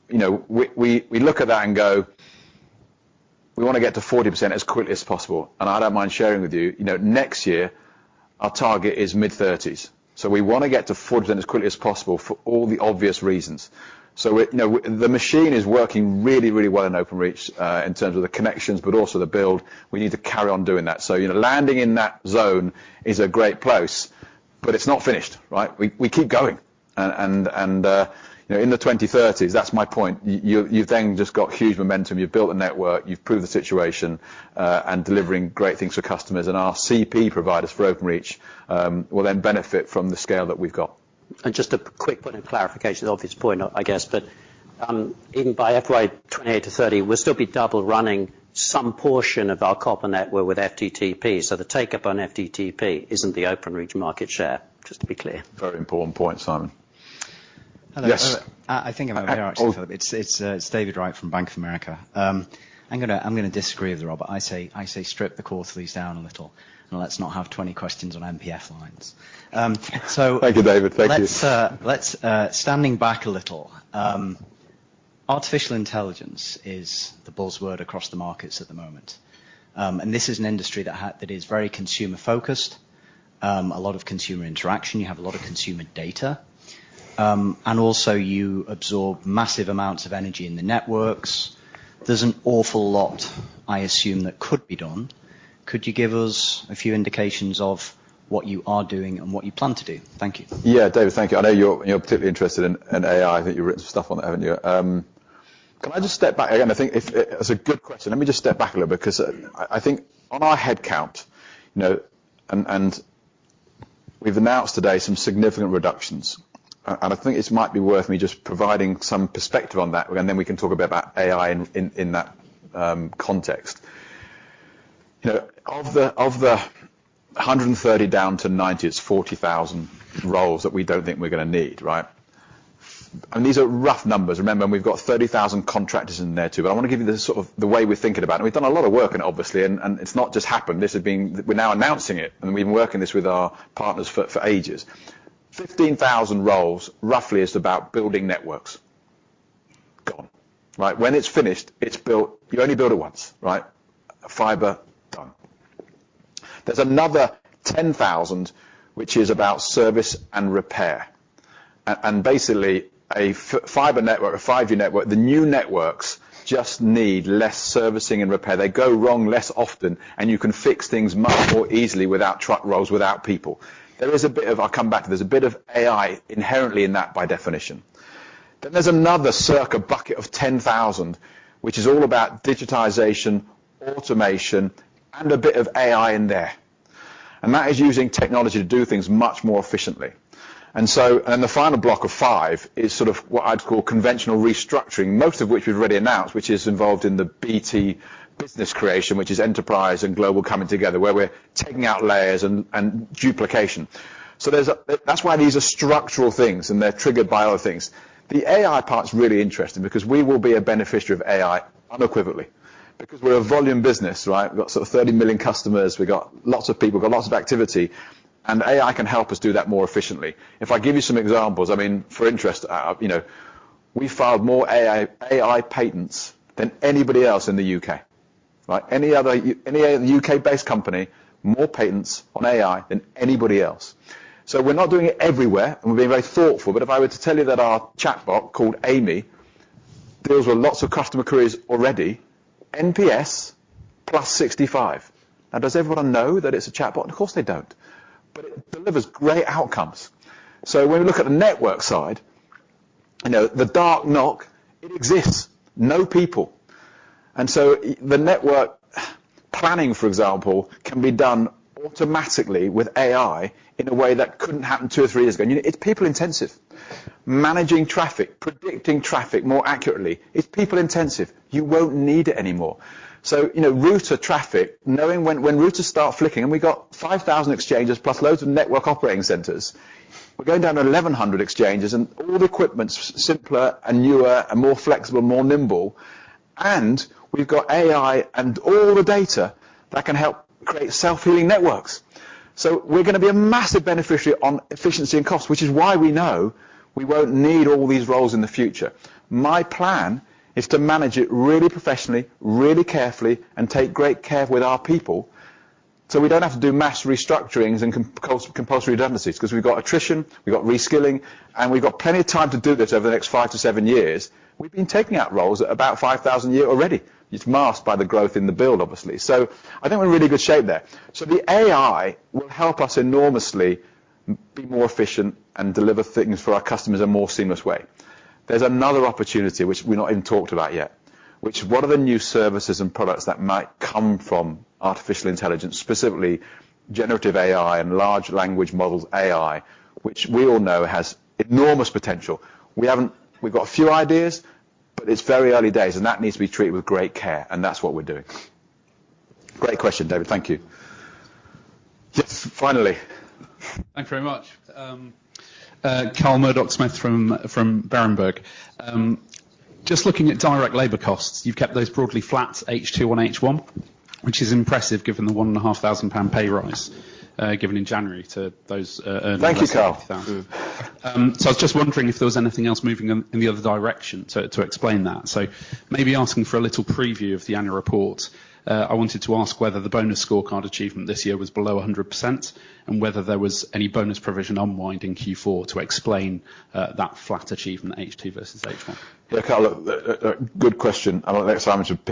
You know, we look at that and go, "We wanna get to 40% as quickly as possible." I don't mind sharing with you know, next year, our target is mid-30s. We wanna get to 40% as quickly as possible for all the obvious reasons. It, you know, the machine is working really, really well in Openreach, in terms of the connections, but also the build. We need to carry on doing that. You know, landing in that zone is a great place, but it's not finished, right? We, we keep going. You know, in the 2030s, that's my point. You, you've then just got huge momentum. You've built a network. You've proved the situation, and delivering great things for customers. Our CP providers for Openreach, will then benefit from the scale that we've got. Just a quick point of clarification. Obvious point, I guess. Even by FY 2028-2030, we'll still be double running some portion of our copper network with FTTP. The take-up on FTTP isn't the Openreach market share. Just to be clear. Very important point, Simon. Hello. Yes. I think I'm over here actually, Philip. Oh. It's David Wright from Bank of America. I'm gonna disagree with Robert. I say strip the call for these down a little, and let's not have 20 questions on MPF lines. Thank you, David. Thank you. Let's standing back a little, artificial intelligence is the buzzword across the markets at the moment. This is an industry that is very consumer-focused, a lot of consumer interaction. You have a lot of consumer data, also you absorb massive amounts of energy in the networks. There's an awful lot, I assume, that could be done. Could you give us a few indications of what you are doing and what you plan to do? Thank you. Yeah, David, thank you. I know you're particularly interested in AI. I think you've written some stuff on it, haven't you? Can I just step back again? I think it's a good question. Let me just step back a little bit, 'cause I think on our headcount, you know, and we've announced today some significant reductions. I think it might be worth me just providing some perspective on that, and then we can talk a bit about AI in that context. You know, of the 130 down to 90, it's 40,000 roles that we don't think we're gonna need, right? These are rough numbers. Remember, we've got 30,000 contractors in there, too. I wanna give you the sort of, the way we're thinking about it. We've done a lot of work obviously, and it's not just happened. This has been. We're now announcing it, and we've been working this with our partners for ages. 15,000 roles, roughly, is about building networks. Gone. Right? When it's finished, it's built. You only build it once, right? Fiber, done. There's another 10,000, which is about service and repair. And basically a fiber network, the new networks just need less servicing and repair. They go wrong less often, and you can fix things much more easily without truck rolls, without people. There is a bit of, I'll come back to this, a bit of AI inherently in that by definition. Then there's another circa bucket of 10,000, which is all about digitization, automation, and a bit of AI in there. That is using technology to do things much more efficiently. The final block of five is sort of what I'd call conventional restructuring, most of which we've already announced, which is involved in the BT Business creation, which is enterprise and global coming together, where we're taking out layers and duplication. That's why these are structural things, and they're triggered by other things. The AI part's really interesting because we will be a beneficiary of AI unequivocally, because we're a volume business, right? We've got sort of 30 million customers, we've got lots of people, got lots of activity, and AI can help us do that more efficiently. If I give you some examples, I mean, for interest, you know, we filed more AI patents than anybody else in the U.K. Right? Any other U.K.-based company, more patents on AI than anybody else. We're not doing it everywhere, and we're being very thoughtful, but if I were to tell you that our chatbot called Aimee deals with lots of customer queries already, NPS plus 65. Now, does everyone know that it's a chatbot? Of course they don't. It delivers great outcomes. When we look at the network side, you know, the dark NOC, it exists. No people. The network planning, for example, can be done automatically with AI in a way that couldn't happen two or three years ago. You know, it's people-intensive. Managing traffic, predicting traffic more accurately, it's people-intensive. You won't need it anymore. You know, router traffic, knowing when routers start flicking, and we got 5,000 exchanges plus loads of network operating centers. We're going down to 1,100 exchanges, all the equipment's simpler and newer and more flexible, more nimble, and we've got AI and all the data that can help create self-healing networks. We're gonna be a massive beneficiary on efficiency and cost, which is why we know we won't need all these roles in the future. My plan is to manage it really professionally, really carefully, and take great care with our people, so we don't have to do mass restructurings and compulsory redundancies, 'cause we've got attrition, we've got reskilling, and we've got plenty of time to do this over the next 5-7 years. We've been taking out roles at about 5,000 a year already. It's masked by the growth in the build, obviously. I think we're in really good shape there. The AI will help us enormously be more efficient and deliver things for our customers in a more seamless way. There's another opportunity which we've not even talked about yet, which is what are the new services and products that might come from artificial intelligence, specifically generative AI and large language models AI, which we all know has enormous potential. We've got a few ideas, but it's very early days, and that needs to be treated with great care, and that's what we're doing. Great question, David. Thank you. Yes, finally. Thanks very much. Carl Murdock-Smith from Berenberg. Just looking at direct labor costs, you've kept those broadly flat H2 on H1, which is impressive given the 1,500 pound pay rise, given in January to those, earners... Thank you, Carl. I was just wondering if there was anything else moving in the other direction to explain that. Maybe asking for a little preview of the annual report, I wanted to ask whether the bonus scorecard achievement this year was below 100%, and whether there was any bonus provision unwind in Q4 to explain that flat achievement, H2 versus H1. Yeah, Carl, good question. I think Simon should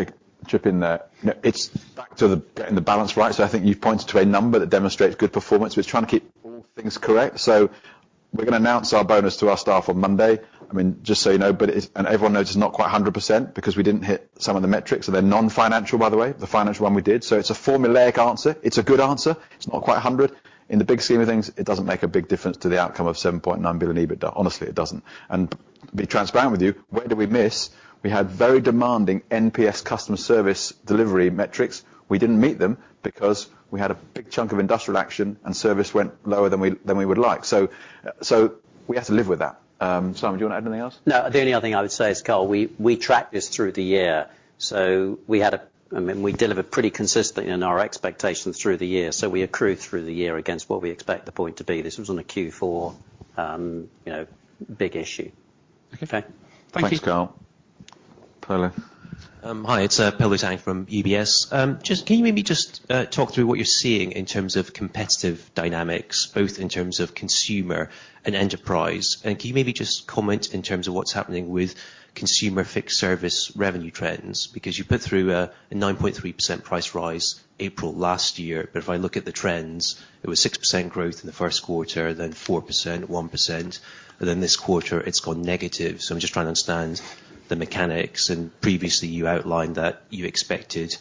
chip in there. No. It's back to the getting the balance right. I think you've pointed to a number that demonstrates good performance. We're trying to keep all things correct. We're going to announce our bonus to our staff on Monday. I mean, just so you know, everyone knows it's not quite 100% because we didn't hit some of the metrics. They're non-financial, by the way. The financial one we did. It's a formulaic answer. It's a good answer. It's not quite 100. In the big scheme of things, it doesn't make a big difference to the outcome of 7.9 billion EBITDA. Honestly, it doesn't. To be transparent with you, where did we miss? We had very demanding NPS customer service delivery metrics. We didn't meet them because we had a big chunk of industrial action, and service went lower than we would like. We have to live with that. Simon, do you wanna add anything else? No. The only other thing I would say is, Carl, we track this through the year. I mean, we delivered pretty consistently in our expectations through the year. We accrue through the year against what we expect the point to be. This wasn't a Q4, you know, big issue. Okay. Thanks, Carl. Thank you. Polo. Hi. It's Polo Tang from UBS. Can you maybe just talk through what you're seeing in terms of competitive dynamics, both in terms of consumer and enterprise? Can you maybe just comment in terms of what's happening with consumer fixed service revenue trends? Because you put through a 9.3% price rise April last year, but if I look at the trends, it was 6% growth in the first quarter, then 4%, 1%, and then this quarter, it's gone negative. I'm just trying to understand the mechanics. Previously you outlined that you expected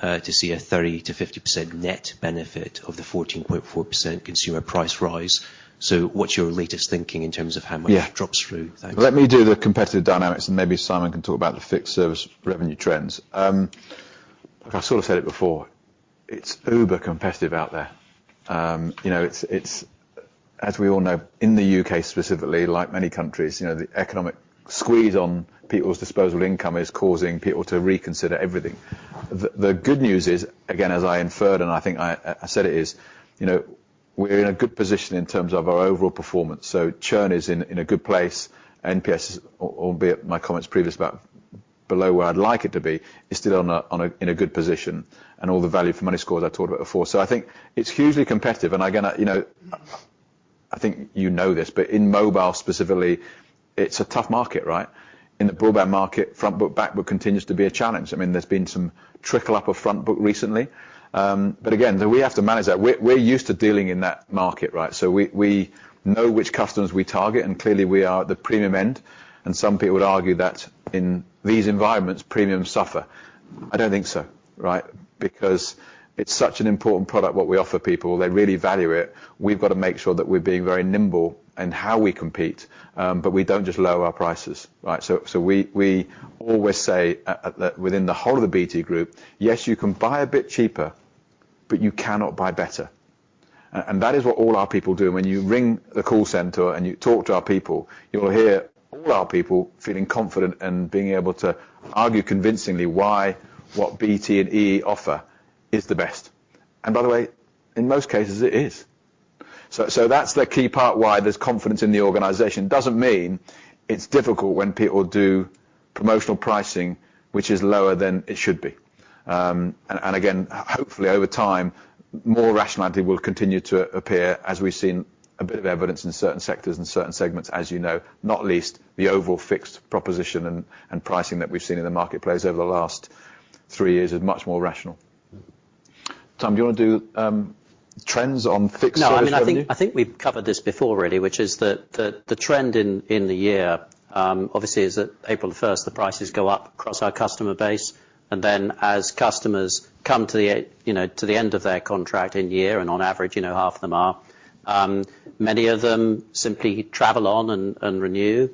to see a 30%-50% net benefit of the 14.4% consumer price rise. What's your latest thinking in terms of how much- Yeah. drops through? Thanks. Let me do the competitive dynamics, and maybe Simon can talk about the fixed service revenue trends. Look, I sort of said it before, it's uber competitive out there. You know, it's, as we all know, in the U.K. specifically, like many countries, you know, the economic squeeze on people's disposable income is causing people to reconsider everything. The good news is, again, as I inferred, and I think I said it is, you know, we're in a good position in terms of our overall performance. Churn is in a good place. NPS is, albeit my comments previous about below where I'd like it to be, is still in a good position, and all the value for money scores I talked about before. I think it's hugely competitive, and again, you know, I think you know this, but in mobile specifically, it's a tough market, right? In the broadband market, front book, back book continues to be a challenge. I mean, there's been some trickle up of front book recently. Again, we have to manage that. We're used to dealing in that market, right? We know which customers we target, and clearly we are at the premium end, and some people would argue that in these environments, premiums suffer. I don't think so, right? Because it's such an important product, what we offer people, they really value it. We've gotta make sure that we're being very nimble in how we compete, we don't just lower our prices, right? We always say, within the whole of the BT Group, "Yes, you can buy a bit cheaper, but you cannot buy better." That is what all our people do. When you ring the call center and you talk to our people, you'll hear all our people feeling confident and being able to argue convincingly why what BT and EE offer is the best. By the way, in most cases it is. That's the key part why there's confidence in the organization. Doesn't mean it's difficult when people do promotional pricing, which is lower than it should be. Again, hopefully over time, more rationality will continue to appear as we've seen a bit of evidence in certain sectors and certain segments, as you know, not least the overall fixed proposition and pricing that we've seen in the marketplace over the last three years is much more rational. Sam, do you wanna do trends on fixed service revenue? No. I mean, I think we've covered this before really, which is the trend in the year, obviously, is that April 1st, the prices go up across our customer base. Then as customers come to the, you know, to the end of their contract in year, on average, you know, half of them are, many of them simply travel on and renew.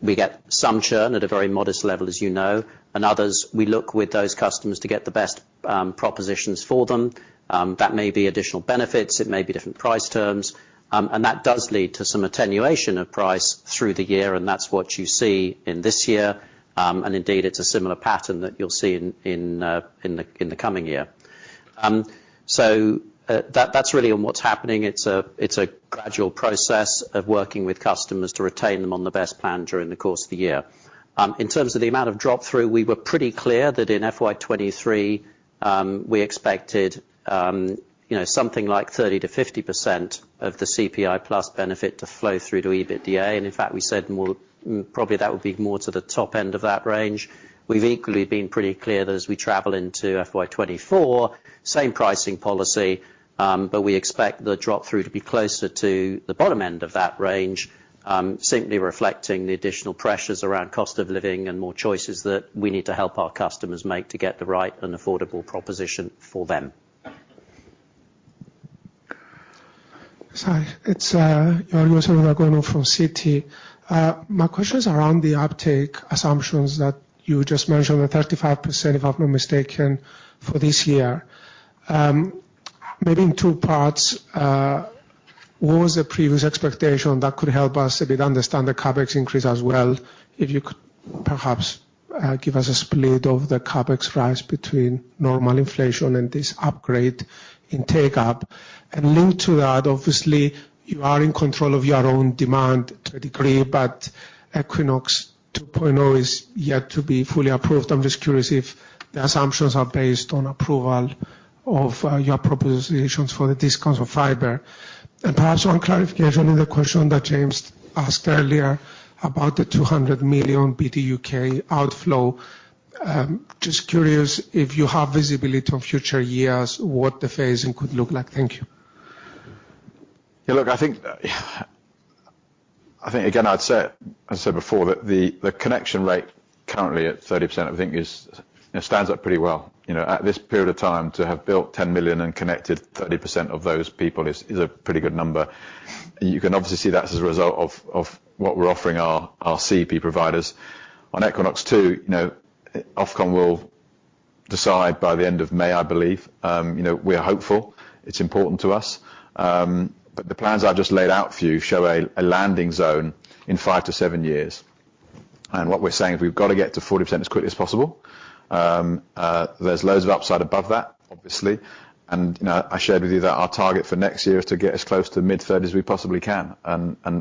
We get some churn at a very modest level, as you know. Others, we look with those customers to get the best propositions for them. That may be additional benefits, it may be different price terms. That does lead to some attenuation of price through the year, that's what you see in this year. Indeed, it's a similar pattern that you'll see in the coming year. That's really on what's happening. It's a gradual process of working with customers to retain them on the best plan during the course of the year. In terms of the amount of drop-through, we were pretty clear that in FY 23, we expected, you know, something like 30%-50% of the CPI plus benefit to flow through to EBITDA. In fact, probably that would be more to the top end of that range. We've equally been pretty clear that as we travel into FY 24, same pricing policy, but we expect the drop-through to be closer to the bottom end of that range, simply reflecting the additional pressures around cost of living and more choices that we need to help our customers make to get the right and affordable proposition for them. Sorry. It's, Yeah. Yoann Le Guellec from Citi. My question is around the uptake assumptions that you just mentioned, the 35%, if I'm not mistaken, for this year. Maybe in two parts, what was the previous expectation that could help us a bit understand the CapEx increase as well? If you could perhaps give us a split of the CapEx rise between normal inflation and this upgrade in take-up. Linked to that, obviously, you are in control of your own demand to a degree, but Equinox 2 is yet to be fully approved. I'm just curious if the assumptions are based on approval of your propositions for the discounts of fiber. Perhaps one clarification on the question that James asked earlier about the 200 million BT UK outflow. Just curious if you have visibility on future years, what the phasing could look like. Thank you. I think again, I said before that the connection rate currently at 30%, I think is, you know, stands up pretty well. You know, at this period of time, to have built 10 million and connected 30% of those people is a pretty good number. You can obviously see that as a result of what we're offering our CP providers. On Equinox 2, you know, Ofcom will decide by the end of May, I believe. You know, we're hopeful. It's important to us. The plans I just laid out for you show a landing zone in five to seven years. What we're saying is we've gotta get to 40% as quickly as possible. There's loads of upside above that, obviously. you know, I shared with you that our target for next year is to get as close to mid-third as we possibly can,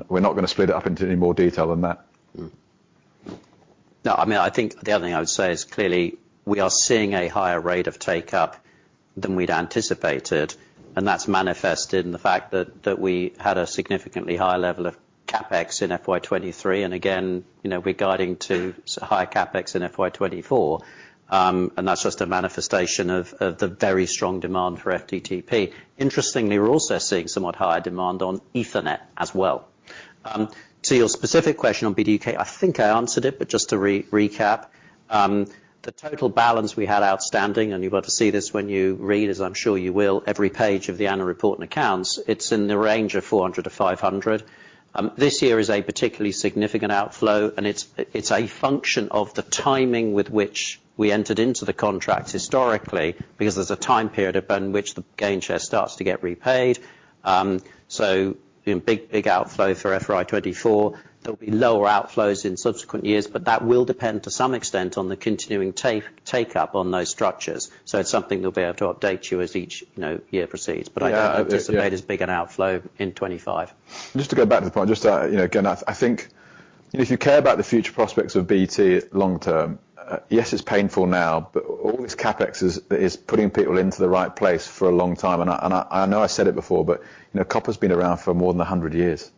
we're not gonna split it up into any more detail than that. No, I mean, I think the other thing I would say is clearly we are seeing a higher rate of take-up than we'd anticipated, and that's manifested in the fact that we had a significantly higher level of CapEx in FY 2023. Again, you know, regarding to higher CapEx in FY 2024, and that's just a manifestation of the very strong demand for FTTP. Interestingly, we're also seeing somewhat higher demand on Ethernet as well. To your specific question on BT UK, I think I answered it, but just to recap, the total balance we had outstanding, and you're going to see this when you read, as I'm sure you will, every page of the annual report and accounts, it's in the range of 400-500. This year is a particularly significant outflow. It's a function of the timing with which we entered into the contract historically, because there's a time period upon which the gain share starts to get repaid. Big outflow for FY 2024. There'll be lower outflows in subsequent years, but that will depend to some extent on the continuing take-up on those structures. It's something we'll be able to update you as each, you know, year proceeds. Yeah. I anticipate as big an outflow in 2025. Just to go back to the point, just, you know, again, I think if you care about the future prospects of BT long term, yes, it's painful now, but all this CapEx is putting people into the right place for a long time. I know I said it before, but, you know, copper's been around for more than 100 years.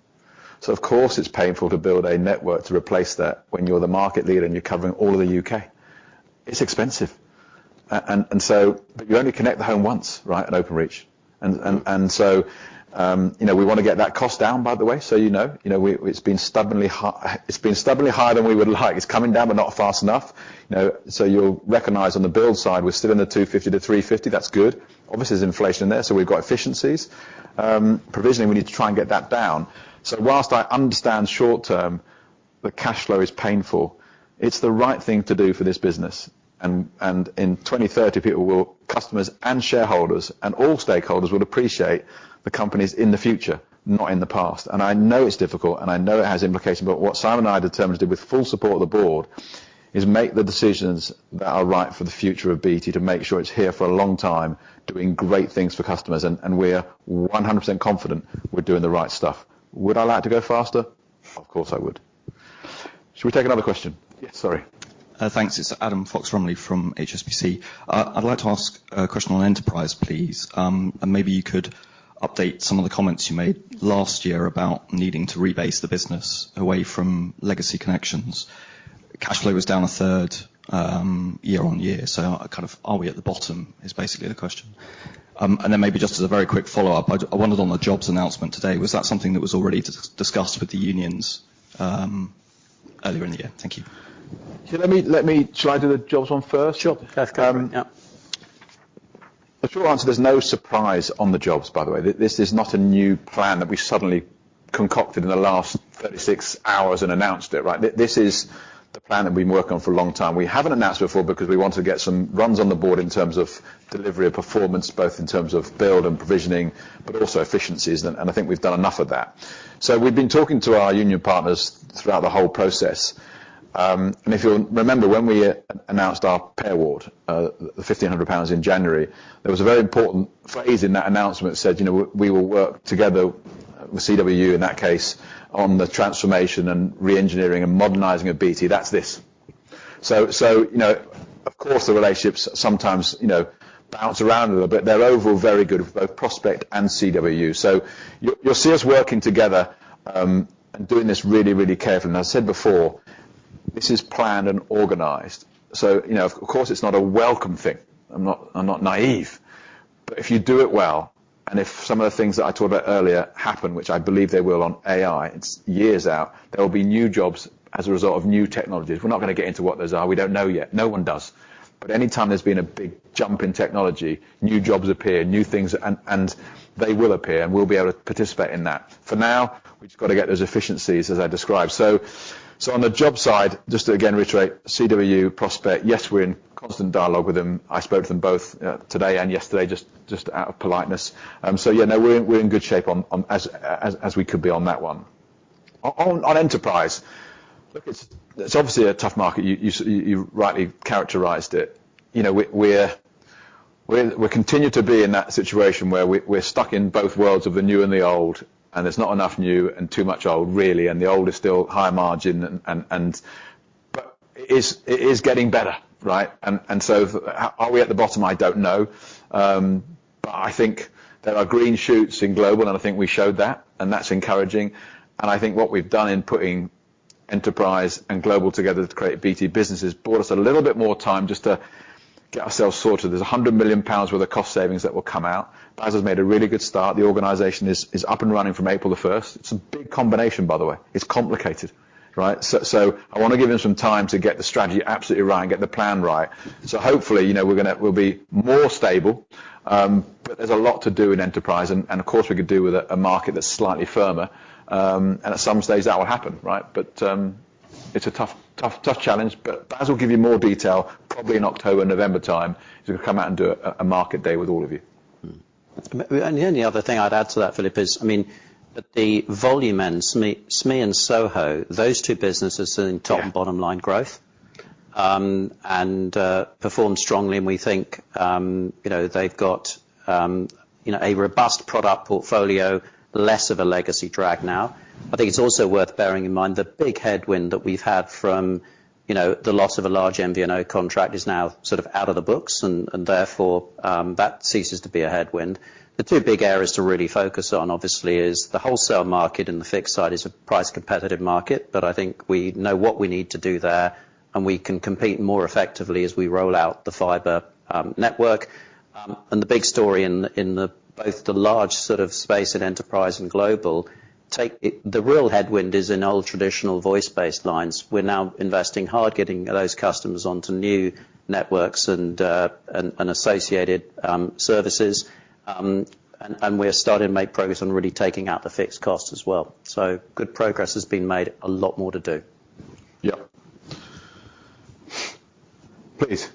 Of course, it's painful to build a network to replace that when you're the market leader and you're covering all of the UK. It's expensive. You only connect the home once, right, on Openreach. You know, we wanna get that cost down, by the way, so you know. You know, It's been stubbornly high. It's been stubbornly higher than we would like. It's coming down, but not fast enough. You know, you'll recognize on the build side, we're still in the 250-350. That's good. Obviously, there's inflation there, we've got efficiencies. Provisioning, we need to try and get that down. Whilst I understand short term the cash flow is painful. It's the right thing to do for this business. In 2030, people will... customers and shareholders, and all stakeholders will appreciate the companies in the future, not in the past. I know it's difficult, and I know it has implications, but what Simon and I are determined to do with full support of the board, is make the decisions that are right for the future of BT, to make sure it's here for a long time, doing great things for customers. We're 100% confident we're doing the right stuff. Would I like to go faster? Of course I would. Shall we take another question? Yes. Sorry. Thanks. It's Adam Fox-Rumley from HSBC. I'd like to ask a question on enterprise, please. Maybe you could update some of the comments you made last year about needing to rebase the business away from legacy connections. Cash flow was down a third year on year, kind of are we at the bottom, is basically the question. Then maybe just as a very quick follow-up, I wondered on the jobs announcement today, was that something that was already discussed with the unions earlier in the year? Thank you. Let me. Shall I do the jobs one first? Sure. Yeah. The short answer, there's no surprise on the jobs, by the way. This is not a new plan that we suddenly concocted in the last 36 hours and announced it, right? This is the plan that we've been working on for a long time. We haven't announced before because we want to get some runs on the board in terms of delivery of performance, both in terms of build and provisioning, but also efficiencies, and I think we've done enough of that. We've been talking to our union partners throughout the whole process. If you remember, when we announced our pay award, the 1,500 pounds in January, there was a very important phrase in that announcement said, you know, we will work together with CWU, in that case, on the transformation and re-engineering and modernizing of BT. That's this. you know, of course, the relationships sometimes, you know, bounce around a little, but they're overall very good, both Prospect and CWU. You, you'll see us working together, and doing this really, really carefully. I said before, this is planned and organized. you know, of course, it's not a welcome thing. I'm not naive. If you do it well, and if some of the things that I talked about earlier happen, which I believe they will on AI, it's years out, there will be new jobs as a result of new technologies. We're not gonna get into what those are. We don't know yet. No one does. Any time there's been a big jump in technology, new jobs appear, new things, and they will appear, and we'll be able to participate in that. For now, we've just got to get those efficiencies as I described. On the job side, just to again reiterate, CWU, Prospect, yes, we're in constant dialogue with them. I spoke to them both today and yesterday, just out of politeness. Yeah, no, we're in good shape on as we could be on that one. On enterprise, it's obviously a tough market. You rightly characterized it. You know, we're continue to be in that situation where we're stuck in both worlds of the new and the old, and there's not enough new and too much old, really, and the old is still high margin and. It's, it is getting better, right? Are we at the bottom? I don't know. I think there are green shoots in global, I think we showed that, and that's encouraging. I think what we've done in putting enterprise and global together to create BT businesses bought us a little bit more time just to get ourselves sorted. There's 100 million pounds worth of cost savings that will come out. Bas has made a really good start. The organization is up and running from April 1st. It's a big combination, by the way. It's complicated, right? I wanna give him some time to get the strategy absolutely right and get the plan right. Hopefully, you know, we'll be more stable. There's a lot to do in enterprise, and of course, we could do with a market that's slightly firmer. At some stage, that will happen, right? It's a tough challenge, but Bas will give you more detail, probably in October, November time to come out and do a market day with all of you. Mm-hmm. The only other thing I'd add to that, Philip, is, I mean, the volume end, SME and SOHO, those two businesses are in top and bottom line growth and performed strongly. We think, you know, they've got, you know, a robust product portfolio, less of a legacy drag now. I think it's also worth bearing in mind the big headwind that we've had from, you know, the loss of a large MVNO contract is now sort of out of the books and therefore that ceases to be a headwind. The two big areas to really focus on, obviously, is the wholesale market and the fixed side is a price competitive market, but I think we know what we need to do there, and we can compete more effectively as we roll out the fiber network. The big story in the, both the large sort of space in enterprise and global, the real headwind is in old traditional voice baselines. We're now investing hard getting those customers onto new networks and associated services. We're starting to make progress on really taking out the fixed costs as well. Good progress has been made. A lot more to do. Yeah. Please.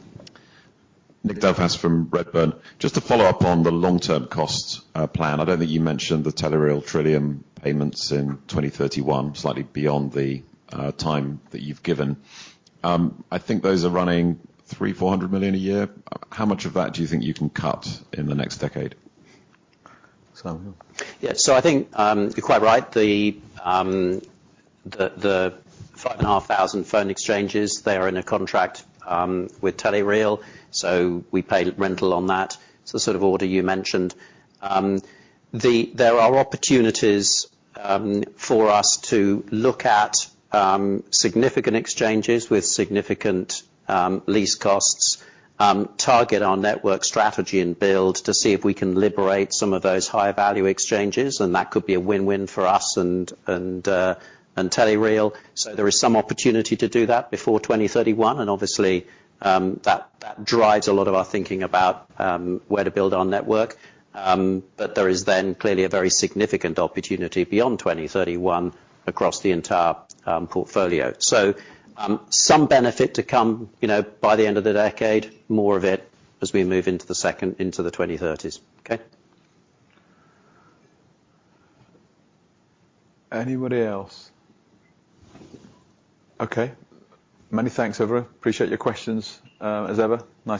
Nick Delfas from Redburn. Just to follow up on the long-term cost plan. I don't think you mentioned the Telereal Trillium payments in 2031, slightly beyond the time that you've given. I think those are running 300 million-400 million a year. How much of that do you think you can cut in the next decade? Simon? Yeah. I think you're quite right. The 5,500 phone exchanges, they are in a contract with Telereal, so we pay rental on that. It's the sort of order you mentioned. There are opportunities for us to look at significant exchanges with significant lease costs, target our network strategy and build to see if we can liberate some of those high-value exchanges, and that could be a win-win for us and Telereal. There is some opportunity to do that before 2031, and obviously, that drives a lot of our thinking about where to build our network. There is then clearly a very significant opportunity beyond 2031 across the entire portfolio. Some benefit to come, you know, by the end of the decade, more of it as we move into the second, into the 2030s. Okay? Anybody else? Okay. Many thanks, everyone. Appreciate your questions, as ever. Nice.